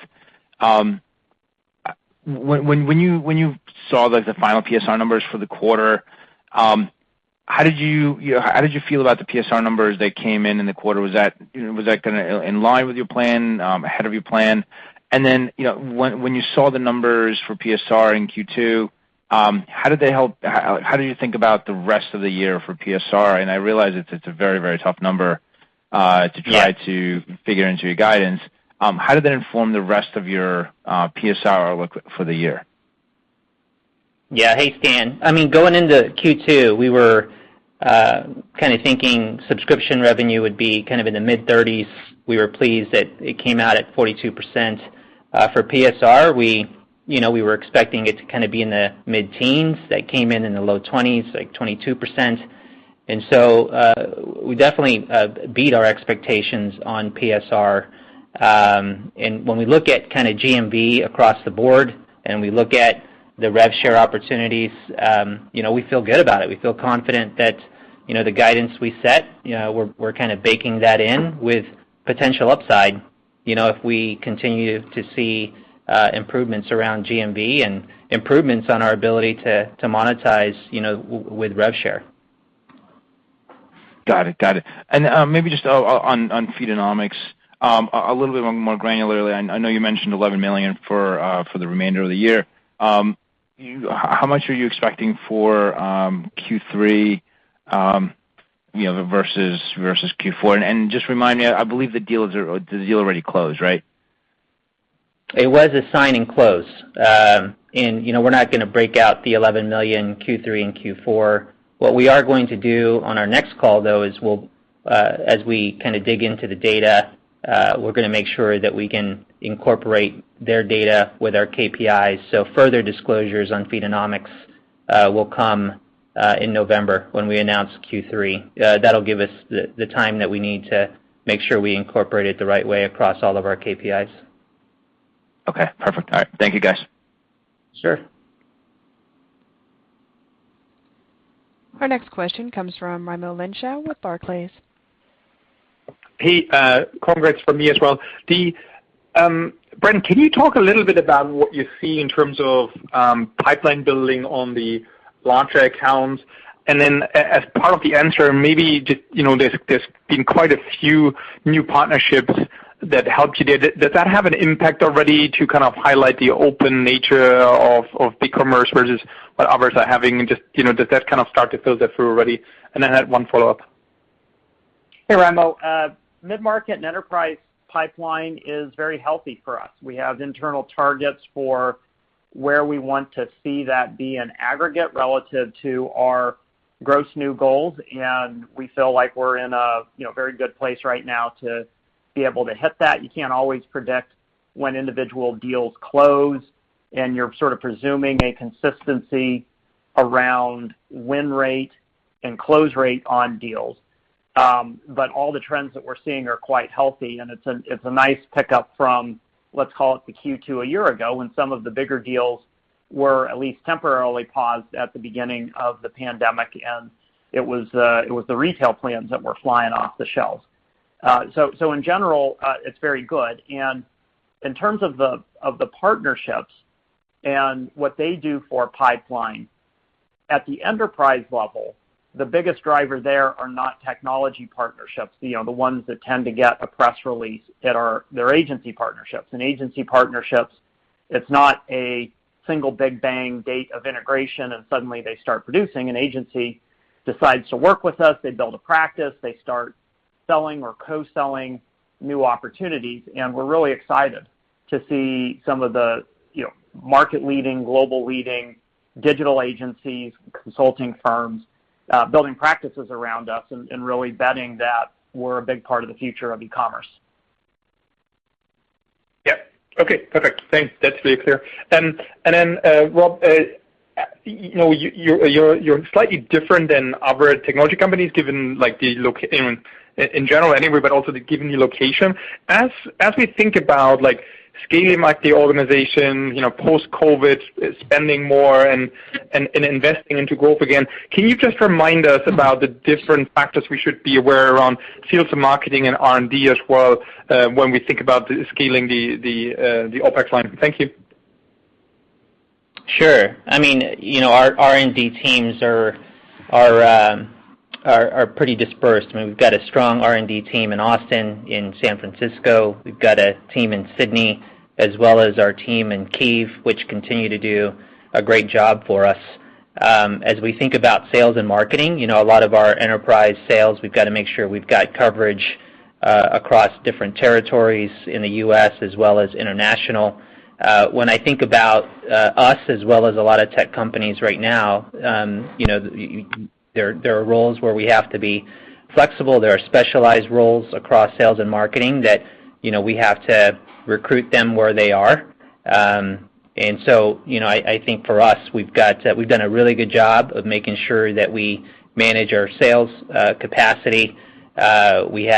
Speaker 9: When you saw the final PSR numbers for the quarter, how did you feel about the PSR numbers that came in in the quarter? Was that in line with your plan, ahead of your plan? When you saw the numbers for PSR in Q2, how do you think about the rest of the year for PSR? I realize it's a very, very tough number to try.
Speaker 4: Yes
Speaker 9: figure into your guidance. How did that inform the rest of your PSR outlook for the year?
Speaker 4: Yeah. Hey, Stan. Going into Q2, we were thinking subscription revenue would be in the mid-30s. We were pleased that it came out at 42%. For PSR, we were expecting it to be in the mid-teens. That came in in the low 20s, like 22%. We definitely beat our expectations on PSR. When we look at GMV across the board, and we look at the rev share opportunities, we feel good about it. We feel confident that the guidance we set, we're baking that in with potential upside, if we continue to see improvements around GMV and improvements on our ability to monetize with rev share.
Speaker 9: Got it. Maybe just on Feedonomics, a little bit more granularly, I know you mentioned $11 million for the remainder of the year. How much are you expecting for Q3, versus Q4? Just remind me, I believe the deal already closed, right?
Speaker 4: It was a sign and close. We're not going to break out the $11 million Q3 and Q4. What we are going to do on our next call, though, is as we dig into the data, we're going to make sure that we can incorporate their data with our KPIs. Further disclosures on Feedonomics will come in November when we announce Q3. That'll give us the time that we need to make sure we incorporate it the right way across all of our KPIs.
Speaker 9: Okay, perfect. All right. Thank you, guys.
Speaker 4: Sure.
Speaker 1: Our next question comes from Raimo Lenschow with Barclays.
Speaker 10: Hey, congrats from me as well. Brent, can you talk a little bit about what you see in terms of pipeline building on the launcher accounts? As part of the answer, maybe there's been quite a few new partnerships that helped you there. Does that have an impact already to highlight the open nature of ecommerce versus what others are having, and does that start to filter through already? I had one follow-up.
Speaker 3: Hey, Raimo. Mid-market and enterprise pipeline is very healthy for us. We have internal targets for where we want to see that be an aggregate relative to our gross new goals, and we feel like we're in a very good place right now to be able to hit that. You can't always predict when individual deals close, and you're sort of presuming a consistency around win rate and close rate on deals. All the trends that we're seeing are quite healthy, and it's a nice pickup from, let's call it the Q2 a year ago, when some of the bigger deals were at least temporarily paused at the beginning of the pandemic, and it was the retail plans that were flying off the shelves. In general, it's very good. In terms of the partnerships and what they do for pipeline, at the enterprise level, the biggest driver there are not technology partnerships, the ones that tend to get a press release, they're agency partnerships. Agency partnerships, it's not a single big bang date of integration, and suddenly they start producing. An agency decides to work with us, they build a practice, they start selling or co-selling new opportunities, and we're really excited to see some of the market-leading, global-leading digital agencies, consulting firms building practices around us and really betting that we're a big part of the future of ecommerce.
Speaker 10: Yeah. Okay, perfect. Thanks. That's really clear. Rob, you're slightly different than other technology companies, in general anyway, but also given your location. As we think about scaling the organization, post-COVID, spending more and investing into growth again, can you just remind us about the different factors we should be aware around sales and marketing and R&D as well when we think about scaling the OpEx line? Thank you.
Speaker 4: Sure. Our R&D teams are pretty dispersed. We've got a strong R&D team in Austin, in San Francisco. We've got a team in Sydney, as well as our team in Kyiv, which continue to do a great job for us. We think about sales and marketing, a lot of our enterprise sales, we've got to make sure we've got coverage across different territories in the U.S. as well as international. When I think about us as well as a lot of tech companies right now, there are roles where we have to be flexible. There are specialized roles across sales and marketing that we have to recruit them where they are. I think for us, we've done a really good job of making sure that we manage our sales capacity. We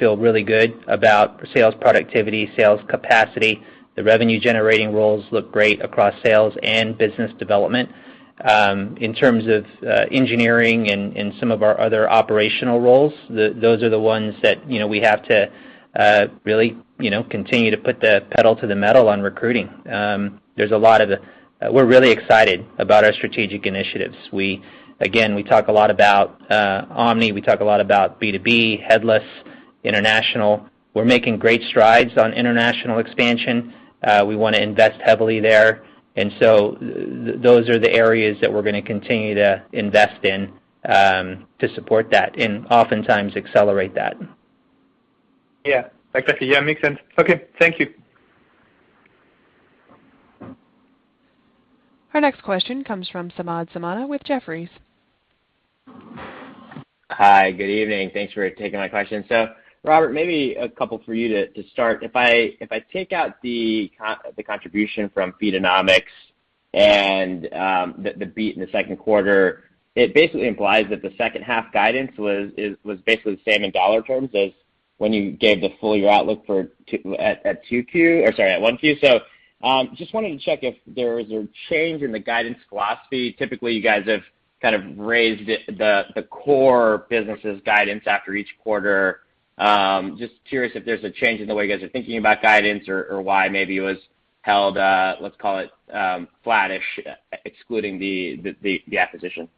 Speaker 4: feel really good about sales productivity, sales capacity. The revenue-generating roles look great across sales and business development. In terms of engineering and some of our other operational roles, those are the ones that we have to really continue to put the pedal to the metal on recruiting. We're really excited about our strategic initiatives. We talk a lot about omni, we talk a lot about B2B, headless, international. We're making great strides on international expansion. We want to invest heavily there. Those are the areas that we're going to continue to invest in to support that and oftentimes accelerate that.
Speaker 10: Yeah. Makes sense. Okay. Thank you.
Speaker 1: Our next question comes from Samad Samana with Jefferies.
Speaker 11: Hi. Good evening. Thanks for taking my question. Robert, maybe a couple for you to start. If I take out the contribution from Feedonomics and the beat in the second quarter, it basically implies that the second half guidance was the same in dollar terms as when you gave the full year outlook at 2Q or sorry, at 1Q. Just wanted to check if there was a change in the guidance philosophy. Typically, you guys have kind of raised the core business's guidance after each quarter. Just curious if there's a change in the way you guys are thinking about guidance or why maybe it was held, let's call it, flat-ish, excluding the acquisition.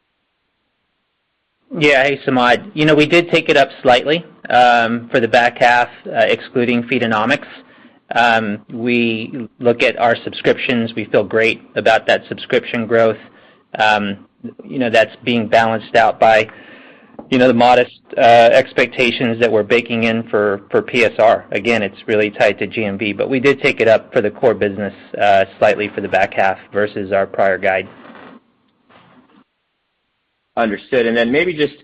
Speaker 4: Yeah. Hey, Samad. We did take it up slightly for the back half, excluding Feedonomics. We look at our subscriptions. We feel great about that subscription growth. That's being balanced out by the modest expectations that we're baking in for PSR. Again, it's really tied to GMV. We did take it up for the core business slightly for the back half versus our prior guide.
Speaker 11: Understood. Maybe just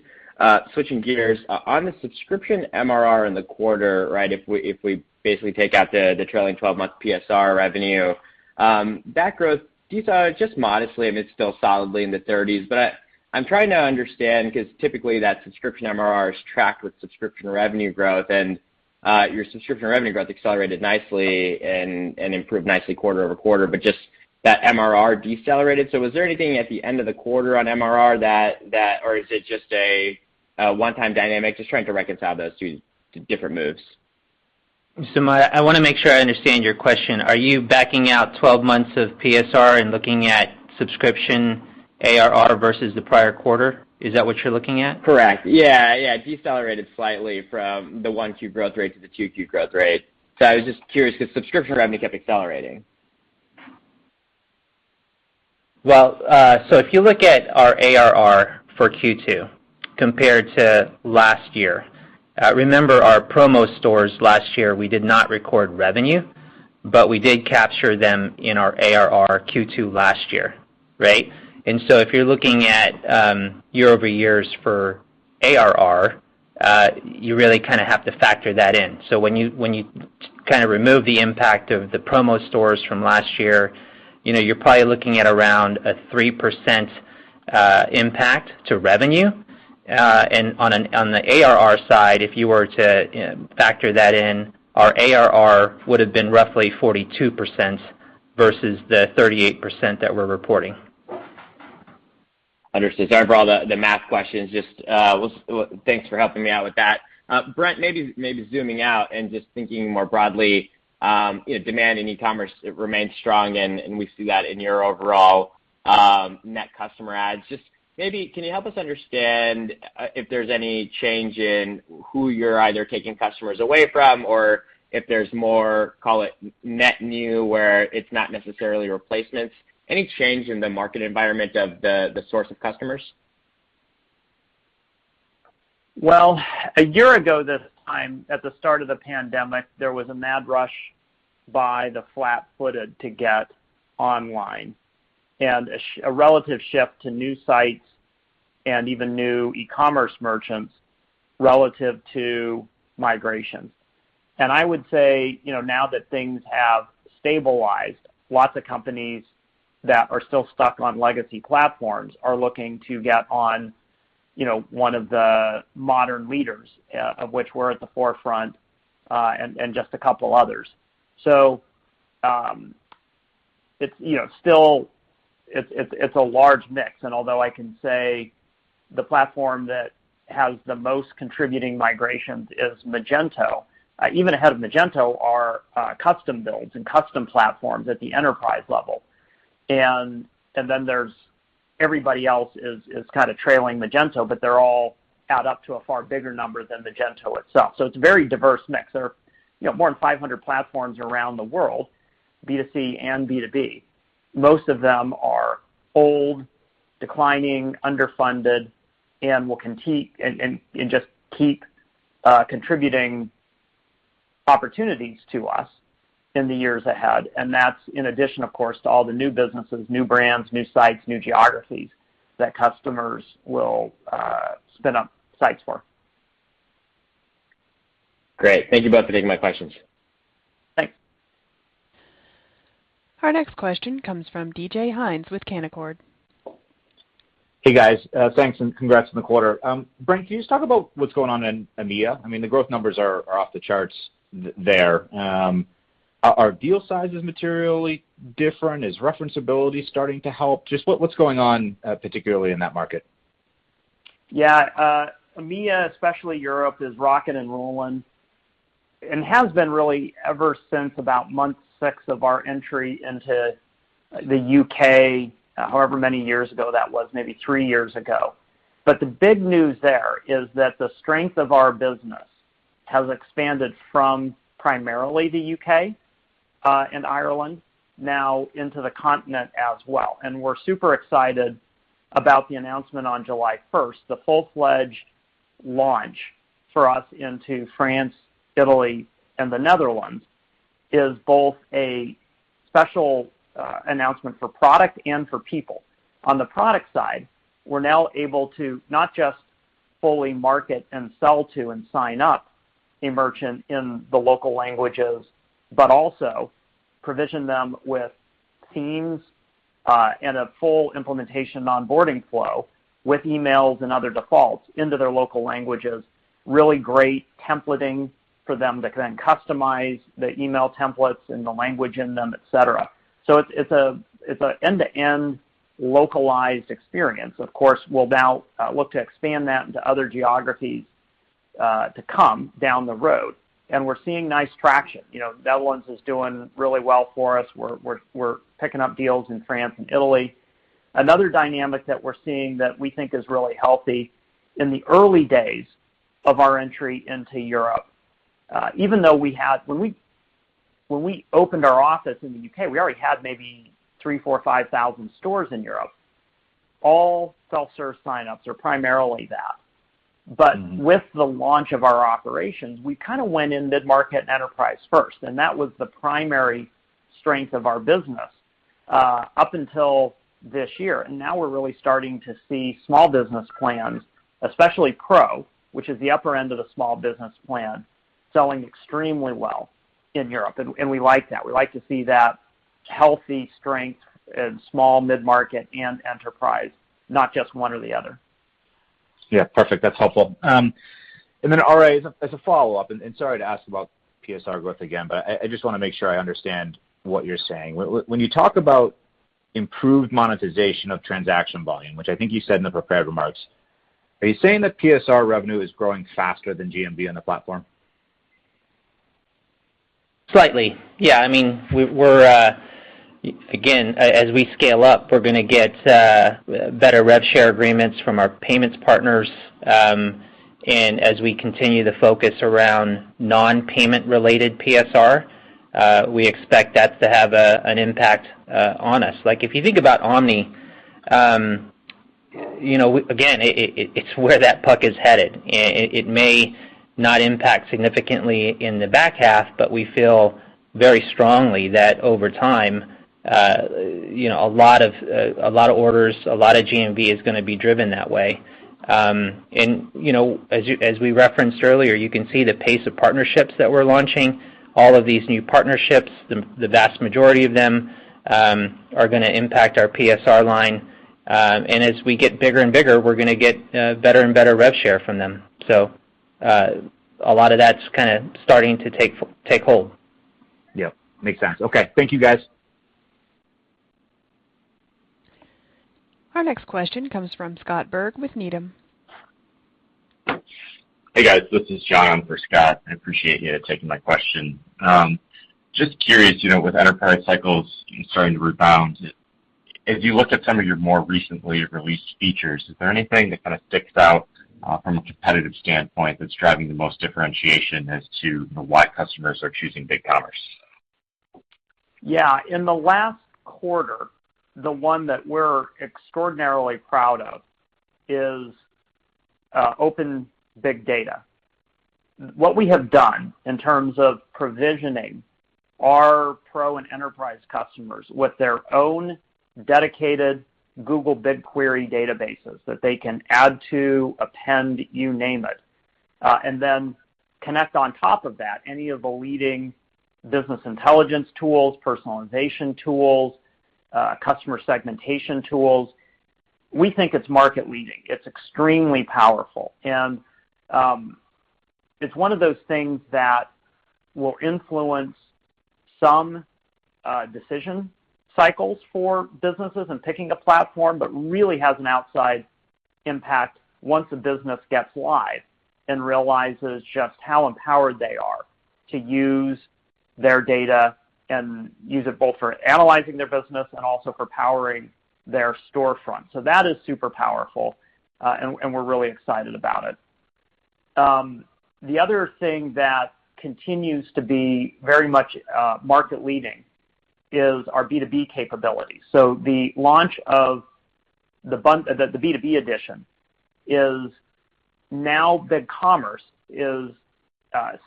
Speaker 11: switching gears. On the subscription MRR in the quarter, if we basically take out the trailing 12-month PSR revenue, that growth decelerated just modestly. I mean, it's still solidly in the 30s. I'm trying to understand, because typically that subscription MRR is tracked with subscription revenue growth, and your subscription revenue growth accelerated nicely and improved nicely quarter-over-quarter, but just that MRR decelerated. Was there anything at the end of the quarter on MRR, or is it just a one-time dynamic? Just trying to reconcile those two different moves.
Speaker 4: Samad, I want to make sure I understand your question. Are you backing out 12 months of PSR and looking at subscription ARR versus the prior quarter? Is that what you're looking at?
Speaker 11: Correct. Yeah. It decelerated slightly from the 1Q growth rate to the 2Q growth rate. I was just curious, because subscription revenue kept accelerating.
Speaker 4: If you look at our ARR for Q2 compared to last year, remember our promo stores last year, we did not record revenue, but we did capture them in our ARR Q2 last year, right? If you're looking at year-over-year for ARR, you really kind of have to factor that in. When you kind of remove the impact of the promo stores from last year, you're probably looking at around a 3% impact to revenue. On the ARR side, if you were to factor that in, our ARR would've been roughly 42% versus the 38% that we're reporting.
Speaker 11: Understood. Sorry for all the math questions. Thanks for helping me out with that. Brent, maybe zooming out and just thinking more broadly, demand in e-commerce remains strong, and we see that in your overall net customer adds. Just maybe, can you help us understand if there's any change in who you're either taking customers away from, or if there's more, call it, net new, where it's not necessarily replacements? Any change in the market environment of the source of customers?
Speaker 3: Well, 1 year ago this time, at the start of the pandemic, there was a mad rush by the flat-footed to get online, and a relative shift to new sites and even new e-commerce merchants relative to migration. I would say, now that things have stabilized, lots of companies that are still stuck on legacy platforms are looking to get on one of the modern leaders, of which we're at the forefront, and just two others. It's a large mix, and although I can say the platform that has the most contributing migrations is Magento, even ahead of Magento are custom builds and custom platforms at the enterprise level. Then everybody else is kind of trailing Magento, but they all add up to a far bigger number than Magento itself. It's a very diverse mix. There are more than 500 platforms around the world, B2C and B2B. Most of them are old, declining, underfunded, and will continue and just keep contributing opportunities to us in the years ahead. That's in addition, of course, to all the new businesses, new brands, new sites, new geographies that customers will spin up sites for.
Speaker 11: Great. Thank you both for taking my questions.
Speaker 3: Thanks.
Speaker 1: Our next question comes from DJ Hynes with Canaccord.
Speaker 12: Hey, guys. Thanks, and congrats on the quarter. Brent, can you just talk about what's going on in EMEA? I mean, the growth numbers are off the charts there. Are deal sizes materially different? Is reference ability starting to help? Just what's going on, particularly in that market?
Speaker 3: Yeah. EMEA, especially Europe, is rocking and rolling. Has been really ever since about month six of our entry into the U.K., however many years ago that was, maybe three years ago. The big news there is that the strength of our business has expanded from primarily the U.K. and Ireland, now into the continent as well. We're super excited about the announcement on July 1st, the full-fledged launch for us into France, Italy, and the Netherlands, is both a special announcement for product and for people. On the product side, we're now able to not just fully market and sell to and sign up a merchant in the local languages, but also provision them with teams, and a full implementation onboarding flow with emails and other defaults into their local languages. Really great templating for them to then customize the email templates and the language in them, et cetera. It's a end-to-end localized experience. Of course, we'll now look to expand that into other geographies to come down the road, and we're seeing nice traction. Netherlands is doing really well for us. We're picking up deals in France and Italy. Another dynamic that we're seeing that we think is really healthy, in the early days of our entry into Europe, when we opened our office in the U.K., we already had maybe three, four, 5,000 stores in Europe. All self-serve signups are primarily that. With the launch of our operations, we kind of went in mid-market and enterprise first, and that was the primary strength of our business up until this year. Now we're really starting to see small business plans, especially Pro, which is the upper end of the small business plan, selling extremely well in Europe, and we like that. We like to see that healthy strength in small, mid-market, and enterprise, not just one or the other.
Speaker 12: Yeah, perfect. That's helpful. RA, as a follow-up, and sorry to ask about PSR growth again, but I just want to make sure I understand what you're saying. When you talk about improved monetization of transaction volume, which I think you said in the prepared remarks, are you saying that PSR revenue is growing faster than GMV on the platform?
Speaker 4: Slightly. Yeah, again, as we scale up, we're going to get better rev share agreements from our payments partners. As we continue to focus around non-payment related PSR, we expect that to have an impact on us. If you think about omni, again, it's where that puck is headed. It may not impact significantly in the back half, but we feel very strongly that over time, a lot of orders, a lot of GMV is going to be driven that way. As we referenced earlier, you can see the pace of partnerships that we're launching. All of these new partnerships, the vast majority of them, are going to impact our PSR line. As we get bigger and bigger, we're going to get better and better rev share from them. A lot of that's kind of starting to take hold.
Speaker 12: Yep, makes sense. Okay. Thank you, guys.
Speaker 1: Our next question comes from Scott Berg with Needham.
Speaker 13: Hey, guys. This is John for Scott. I appreciate you taking my question. Just curious, with enterprise cycles starting to rebound, as you look at some of your more recently released features, is there anything that kind of sticks out from a competitive standpoint that's driving the most differentiation as to why customers are choosing BigCommerce?
Speaker 3: Yeah. In the last quarter, the one that we're extraordinarily proud of is Open Big Data. What we have done in terms of provisioning our Pro and enterprise customers with their own dedicated Google BigQuery databases that they can add to, append, you name it, and then connect on top of that any of the leading business intelligence tools, personalization tools, customer segmentation tools. We think it's market-leading. It's extremely powerful. It's one of those things that will influence some decision cycles for businesses in picking a platform, but really has an outsized impact once a business gets live and realizes just how empowered they are to use their data and use it both for analyzing their business and also for powering their storefront. That is super powerful, and we're really excited about it. The other thing that continues to be very much market leading is our B2B capability. The launch of the B2B Edition is now BigCommerce is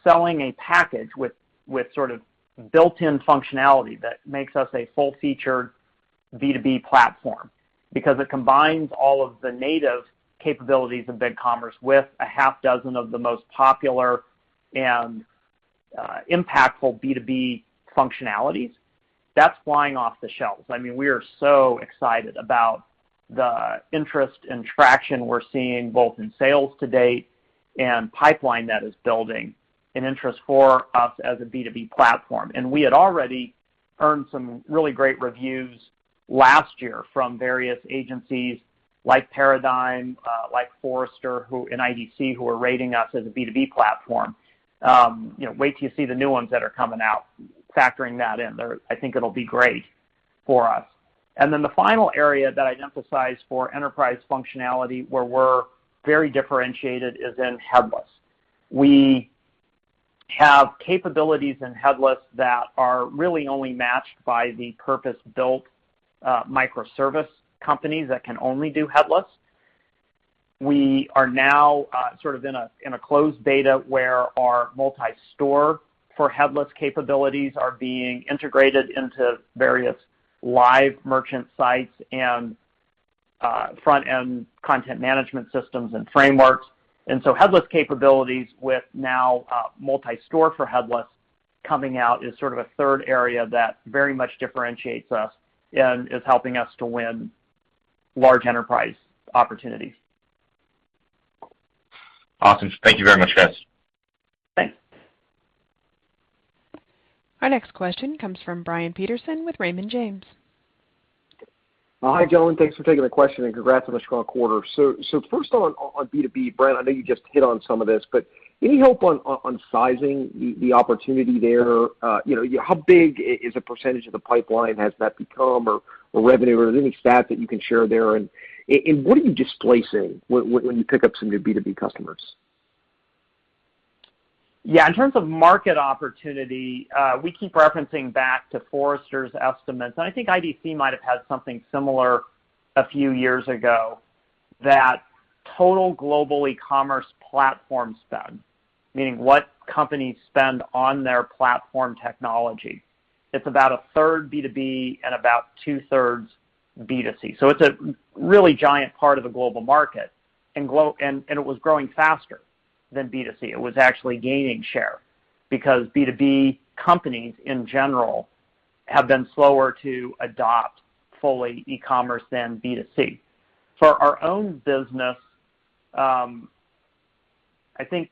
Speaker 3: selling a package with sort of built-in functionality that makes us a full-featured B2B platform because it combines all of the native capabilities of BigCommerce with a half dozen of the most popular and impactful B2B functionalities. That's flying off the shelves. We are so excited about the interest and traction we're seeing, both in sales to date and pipeline that is building, and interest for us as a B2B platform. We had already earned some really great reviews last year from various agencies like Paradigm, like Forrester, who, and IDC, who are rating us as a B2B platform. Wait till you see the new ones that are coming out, factoring that in. I think it'll be great for us. The final area that I'd emphasize for enterprise functionality, where we're very differentiated, is in headless. We have capabilities in headless that are really only matched by the purpose-built microservice companies that can only do headless. We are now sort of in a closed beta where our multi-store for headless capabilities are being integrated into various live merchant sites and front-end content management systems and frameworks. Headless capabilities with now multi-store for headless coming out is sort of a third area that very much differentiates us and is helping us to win large enterprise opportunities.
Speaker 13: Awesome. Thank you very much, guys.
Speaker 3: Thanks.
Speaker 1: Our next question comes from Brian Peterson with Raymond James.
Speaker 14: Hi, gentlemen. Thanks for taking the question, and congrats on a strong quarter. First on B2B, Brent, I know you just hit on some of this, but any help on sizing the opportunity there? How big is a percentage of the pipeline has that become, or revenue, or any stat that you can share there? What are you displacing when you pick up some new B2B customers?
Speaker 3: In terms of market opportunity, we keep referencing back to Forrester's estimates, and I think IDC might have had something similar a few years ago, that total global e-commerce platform spend, meaning what companies spend on their platform technology, it's about a third B2B and about two-thirds B2C. It's a really giant part of the global market, and it was growing faster than B2C. It was actually gaining share because B2B companies in general have been slower to adopt fully e-commerce than B2C. For our own business, I think,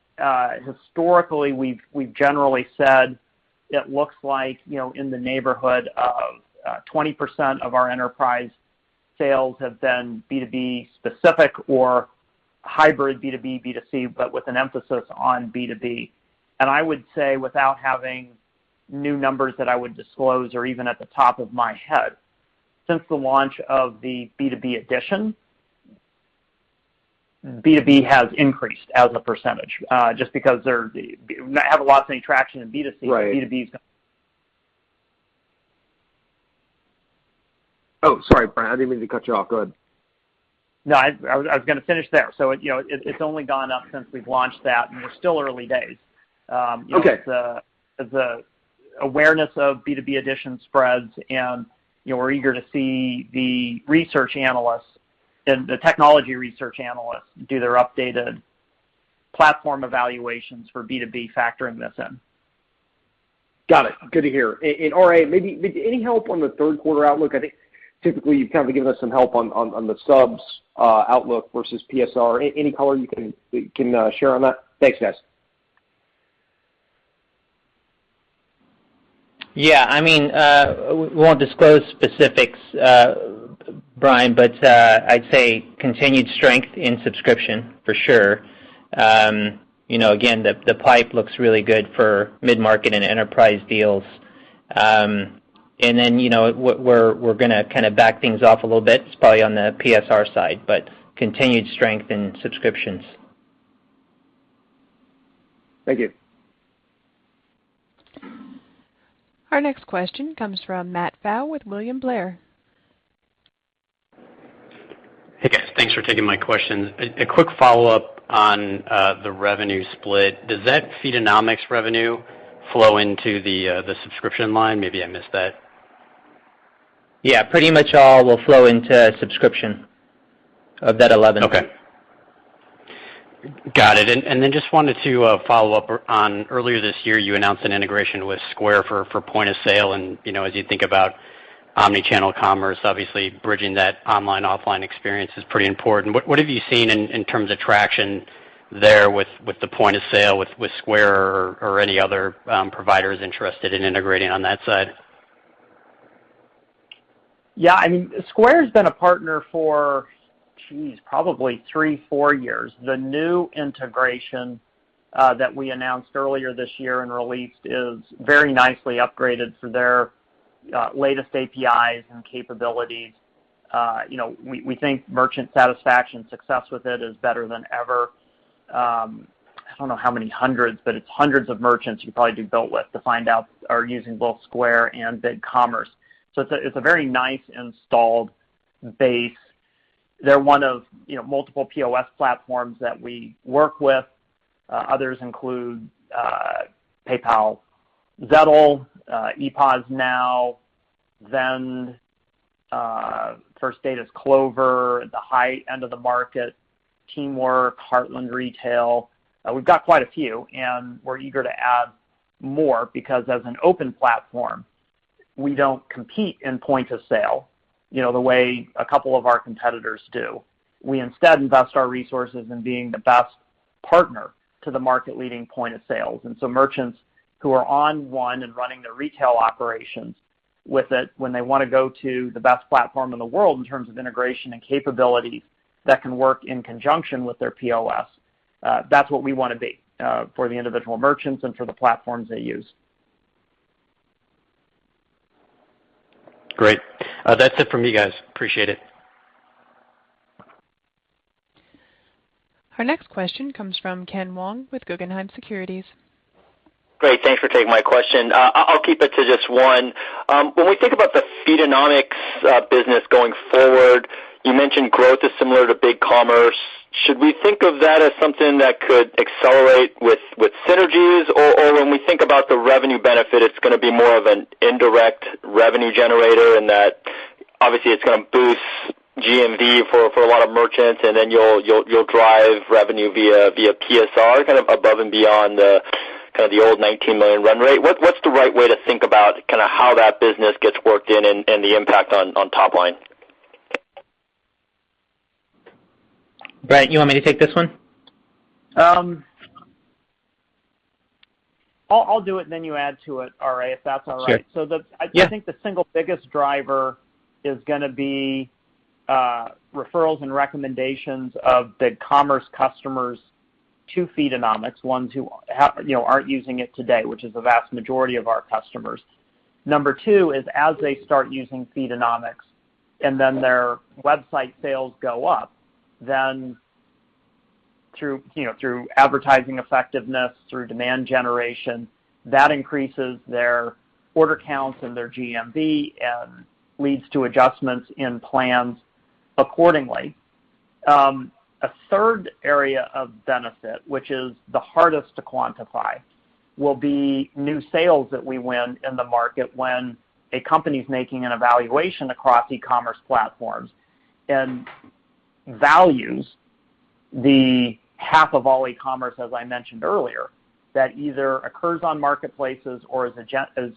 Speaker 3: historically, we've generally said it looks like in the neighborhood of 20% of our enterprise sales have been B2B specific or hybrid B2B, B2C, but with an emphasis on B2B. I would say without having new numbers that I would disclose or even at the top of my head, since the launch of the B2B Edition, B2B has increased as a percentage, just because they're not have lots of any traction in B2C.
Speaker 14: Right
Speaker 3: B2B.
Speaker 14: Oh, sorry, Brent, I didn't mean to cut you off. Go ahead.
Speaker 3: No, I was going to finish there. It's only gone up since we've launched that, and we're still early days.
Speaker 14: Okay.
Speaker 3: As the awareness of B2B Edition spreads and we're eager to see the research analysts and the technology research analysts do their updated platform evaluations for B2B factoring this in.
Speaker 14: Got it. Good to hear. RA, maybe any help on the third quarter outlook? I think typically you've kind of given us some help on the subs outlook versus PSR. Any color you can share on that? Thanks, guys.
Speaker 4: Yeah. I mean, we won't disclose specifics, Brian, I'd say continued strength in subscription for sure. Again, the pipe looks really good for mid-market and enterprise deals. We're going to kind of back things off a little bit, probably on the PSR side, but continued strength in subscriptions.
Speaker 14: Thank you.
Speaker 1: Our next question comes from Matt Pfau with William Blair.
Speaker 15: Hey, guys. Thanks for taking my question. A quick follow-up on the revenue split. Does that Feedonomics revenue flow into the subscription line? Maybe I missed that.
Speaker 4: Yeah, pretty much all will flow into subscription of that 11.
Speaker 15: Okay. Got it. Just wanted to follow up on earlier this year, you announced an integration with Square for point of sale and, as you think about omni-channel commerce, obviously bridging that online/offline experience is pretty important. What have you seen in terms of traction there with the point of sale with Square or any other providers interested in integrating on that side?
Speaker 3: I mean, Square's been a partner for probably three, four years. The new integration that we announced earlier this year and released is very nicely upgraded for their latest APIs and capabilities. We think merchant satisfaction success with it is better than ever. I don't know how many hundreds, but it's hundreds of merchants you probably do built with to find out are using both Square and BigCommerce. It's a very nice installed base. They're one of multiple POS platforms that we work with. Others include PayPal, Xero, Epos Now, Vend, First Data's Clover at the high end of the market, Teamwork Commerce, Heartland Retail. We've got quite a few, we're eager to add more because as an open platform, we don't compete in point of sale the way a couple of our competitors do. We instead invest our resources in being the best partner to the market leading point of sale. Merchants who are on one and running their retail operations with it, when they want to go to the best platform in the world in terms of integration and capability that can work in conjunction with their POS, that's what we want to be for the individual merchants and for the platforms they use.
Speaker 15: Great. That's it from me, guys. Appreciate it.
Speaker 1: Our next question comes from Ken Wong with Guggenheim Securities.
Speaker 16: Great. Thanks for taking my question. I'll keep it to just one. When we think about the Feedonomics business going forward, you mentioned growth is similar to BigCommerce. Should we think of that as something that could accelerate with synergies, or when we think about the revenue benefit, it's going to be more of an indirect revenue generator and that obviously it's going to boost GMV for a lot of merchants, and then you'll drive revenue via PSR, kind of above and beyond the old $19 million run rate? What's the right way to think about how that business gets worked in and the impact on top line?
Speaker 4: Brent, you want me to take this one?
Speaker 3: I'll do it then you add to it, RA, if that's all right.
Speaker 4: Sure. Yeah.
Speaker 3: I think the single biggest driver is going to be referrals and recommendations of BigCommerce customers to Feedonomics, ones who aren't using it today, which is the vast majority of our customers. Number two is as they start using Feedonomics and then their website sales go up, then through advertising effectiveness, through demand generation, that increases their order counts and their GMV and leads to adjustments in plans accordingly. A third area of benefit, which is the hardest to quantify, will be new sales that we win in the market when a company's making an evaluation across e-commerce platforms and values the half of all e-commerce, as I mentioned earlier, that either occurs on marketplaces or is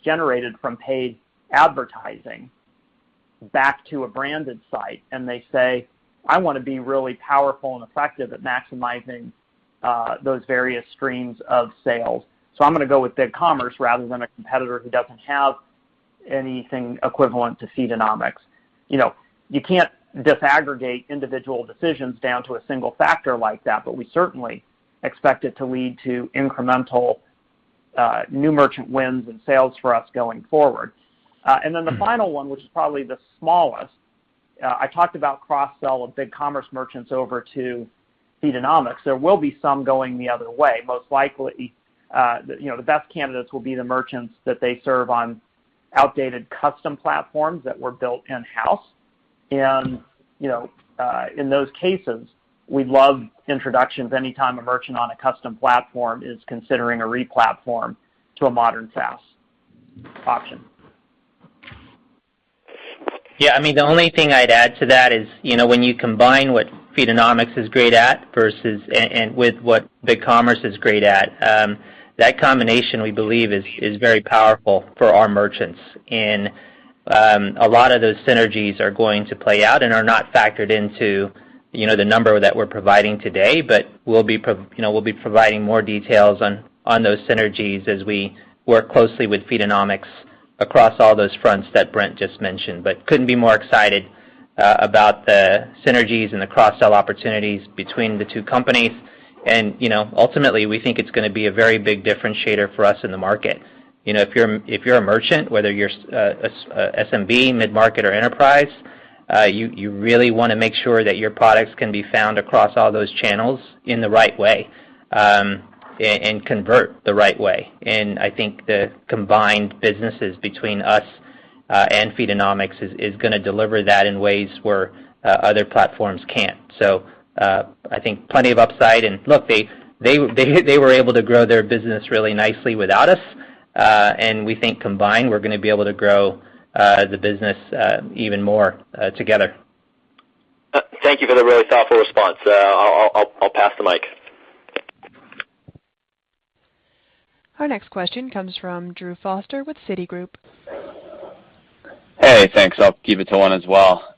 Speaker 3: generated from paid advertising back to a branded site, and they say, "I want to be really powerful and effective at maximizing those various streams of sales, so I'm going to go with BigCommerce rather than a competitor who doesn't have anything equivalent to Feedonomics." You can't disaggregate individual decisions down to a single factor like that, but we certainly expect it to lead to incremental new merchant wins and sales for us going forward. The final one, which is probably the smallest, I talked about cross-sell of BigCommerce merchants over to Feedonomics. There will be some going the other way. Most likely, the best candidates will be the merchants that they serve on outdated custom platforms that were built in-house. In those cases, we love introductions anytime a merchant on a custom platform is considering a re-platform to a modern SaaS option.
Speaker 4: Yeah, the only thing I'd add to that is, when you combine what Feedonomics is great at and with what BigCommerce is great at, that combination, we believe, is very powerful for our merchants. A lot of those synergies are going to play out and are not factored into the number that we're providing today. We'll be providing more details on those synergies as we work closely with Feedonomics across all those fronts that Brent just mentioned. Couldn't be more excited about the synergies and the cross-sell opportunities between the two companies, and ultimately, we think it's going to be a very big differentiator for us in the market. If you're a merchant, whether you're SMB, mid-market, or enterprise, you really want to make sure that your products can be found across all those channels in the right way, and convert the right way. I think the combined businesses between us and Feedonomics is going to deliver that in ways where other platforms can't. I think plenty of upside, and look, they were able to grow their business really nicely without us, and we think combined, we're going to be able to grow the business even more together.
Speaker 16: Thank you for the really thoughtful response. I'll pass the mic.
Speaker 1: Our next question comes from Drew Foster with Citigroup.
Speaker 17: Hey, thanks. I'll keep it to one as well.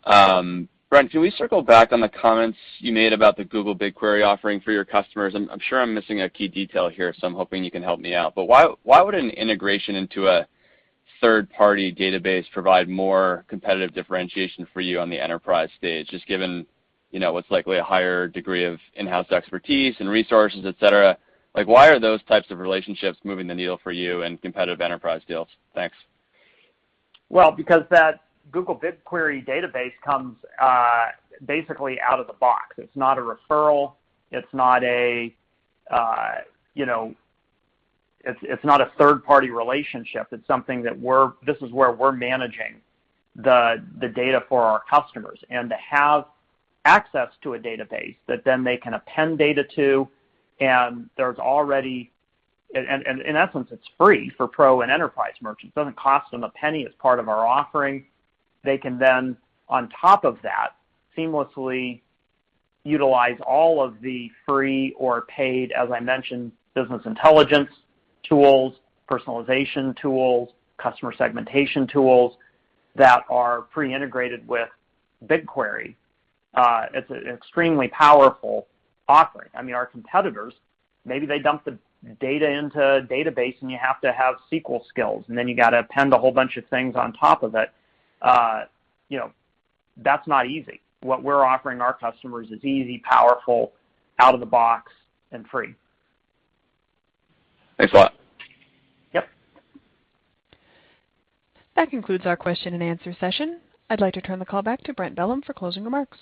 Speaker 17: Brent, can we circle back on the comments you made about the Google BigQuery offering for your customers? I'm sure I'm missing a key detail here, so I'm hoping you can help me out. Why would an integration into a third-party database provide more competitive differentiation for you on the enterprise stage, just given what's likely a higher degree of in-house expertise and resources, et cetera? Why are those types of relationships moving the needle for you in competitive enterprise deals? Thanks.
Speaker 3: Well, because that Google BigQuery database comes basically out of the box. It's not a referral, it's not a third-party relationship. This is where we're managing the data for our customers. To have access to a database that then they can append data to, and in essence, it's free for Pro and enterprise merchants. Doesn't cost them a penny as part of our offering. They can then, on top of that, seamlessly utilize all of the free or paid, as I mentioned, business intelligence tools, personalization tools, customer segmentation tools, that are pre-integrated with BigQuery. It's an extremely powerful offering. Our competitors, maybe they dump the data into a database, and you have to have SQL skills, and then you got to append a whole bunch of things on top of it. That's not easy. What we're offering our customers is easy, powerful, out of the box, and free.
Speaker 17: Thanks a lot.
Speaker 3: Yep.
Speaker 1: That concludes our question-and-answer session. I'd like to turn the call back to Brent Bellm for closing remarks.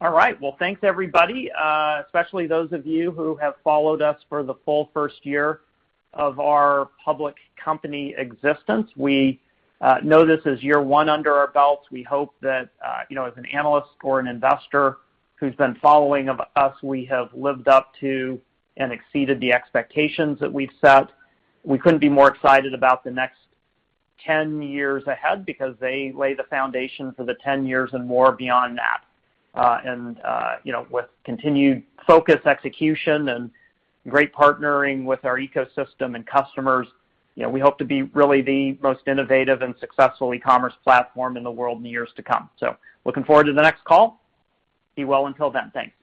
Speaker 3: All right. Well, thanks, everybody, especially those of you who have followed us for the full first year of our public company existence. We know this is year one under our belts. We hope that as an analyst or an investor who's been following us, we have lived up to and exceeded the expectations that we've set. We couldn't be more excited about the next 10 years ahead because they lay the foundation for the 10 years and more beyond that. With continued focus, execution, and great partnering with our ecosystem and customers, we hope to be really the most innovative and successful ecommerce platform in the world in the years to come. Looking forward to the next call. Be well until then. Thanks.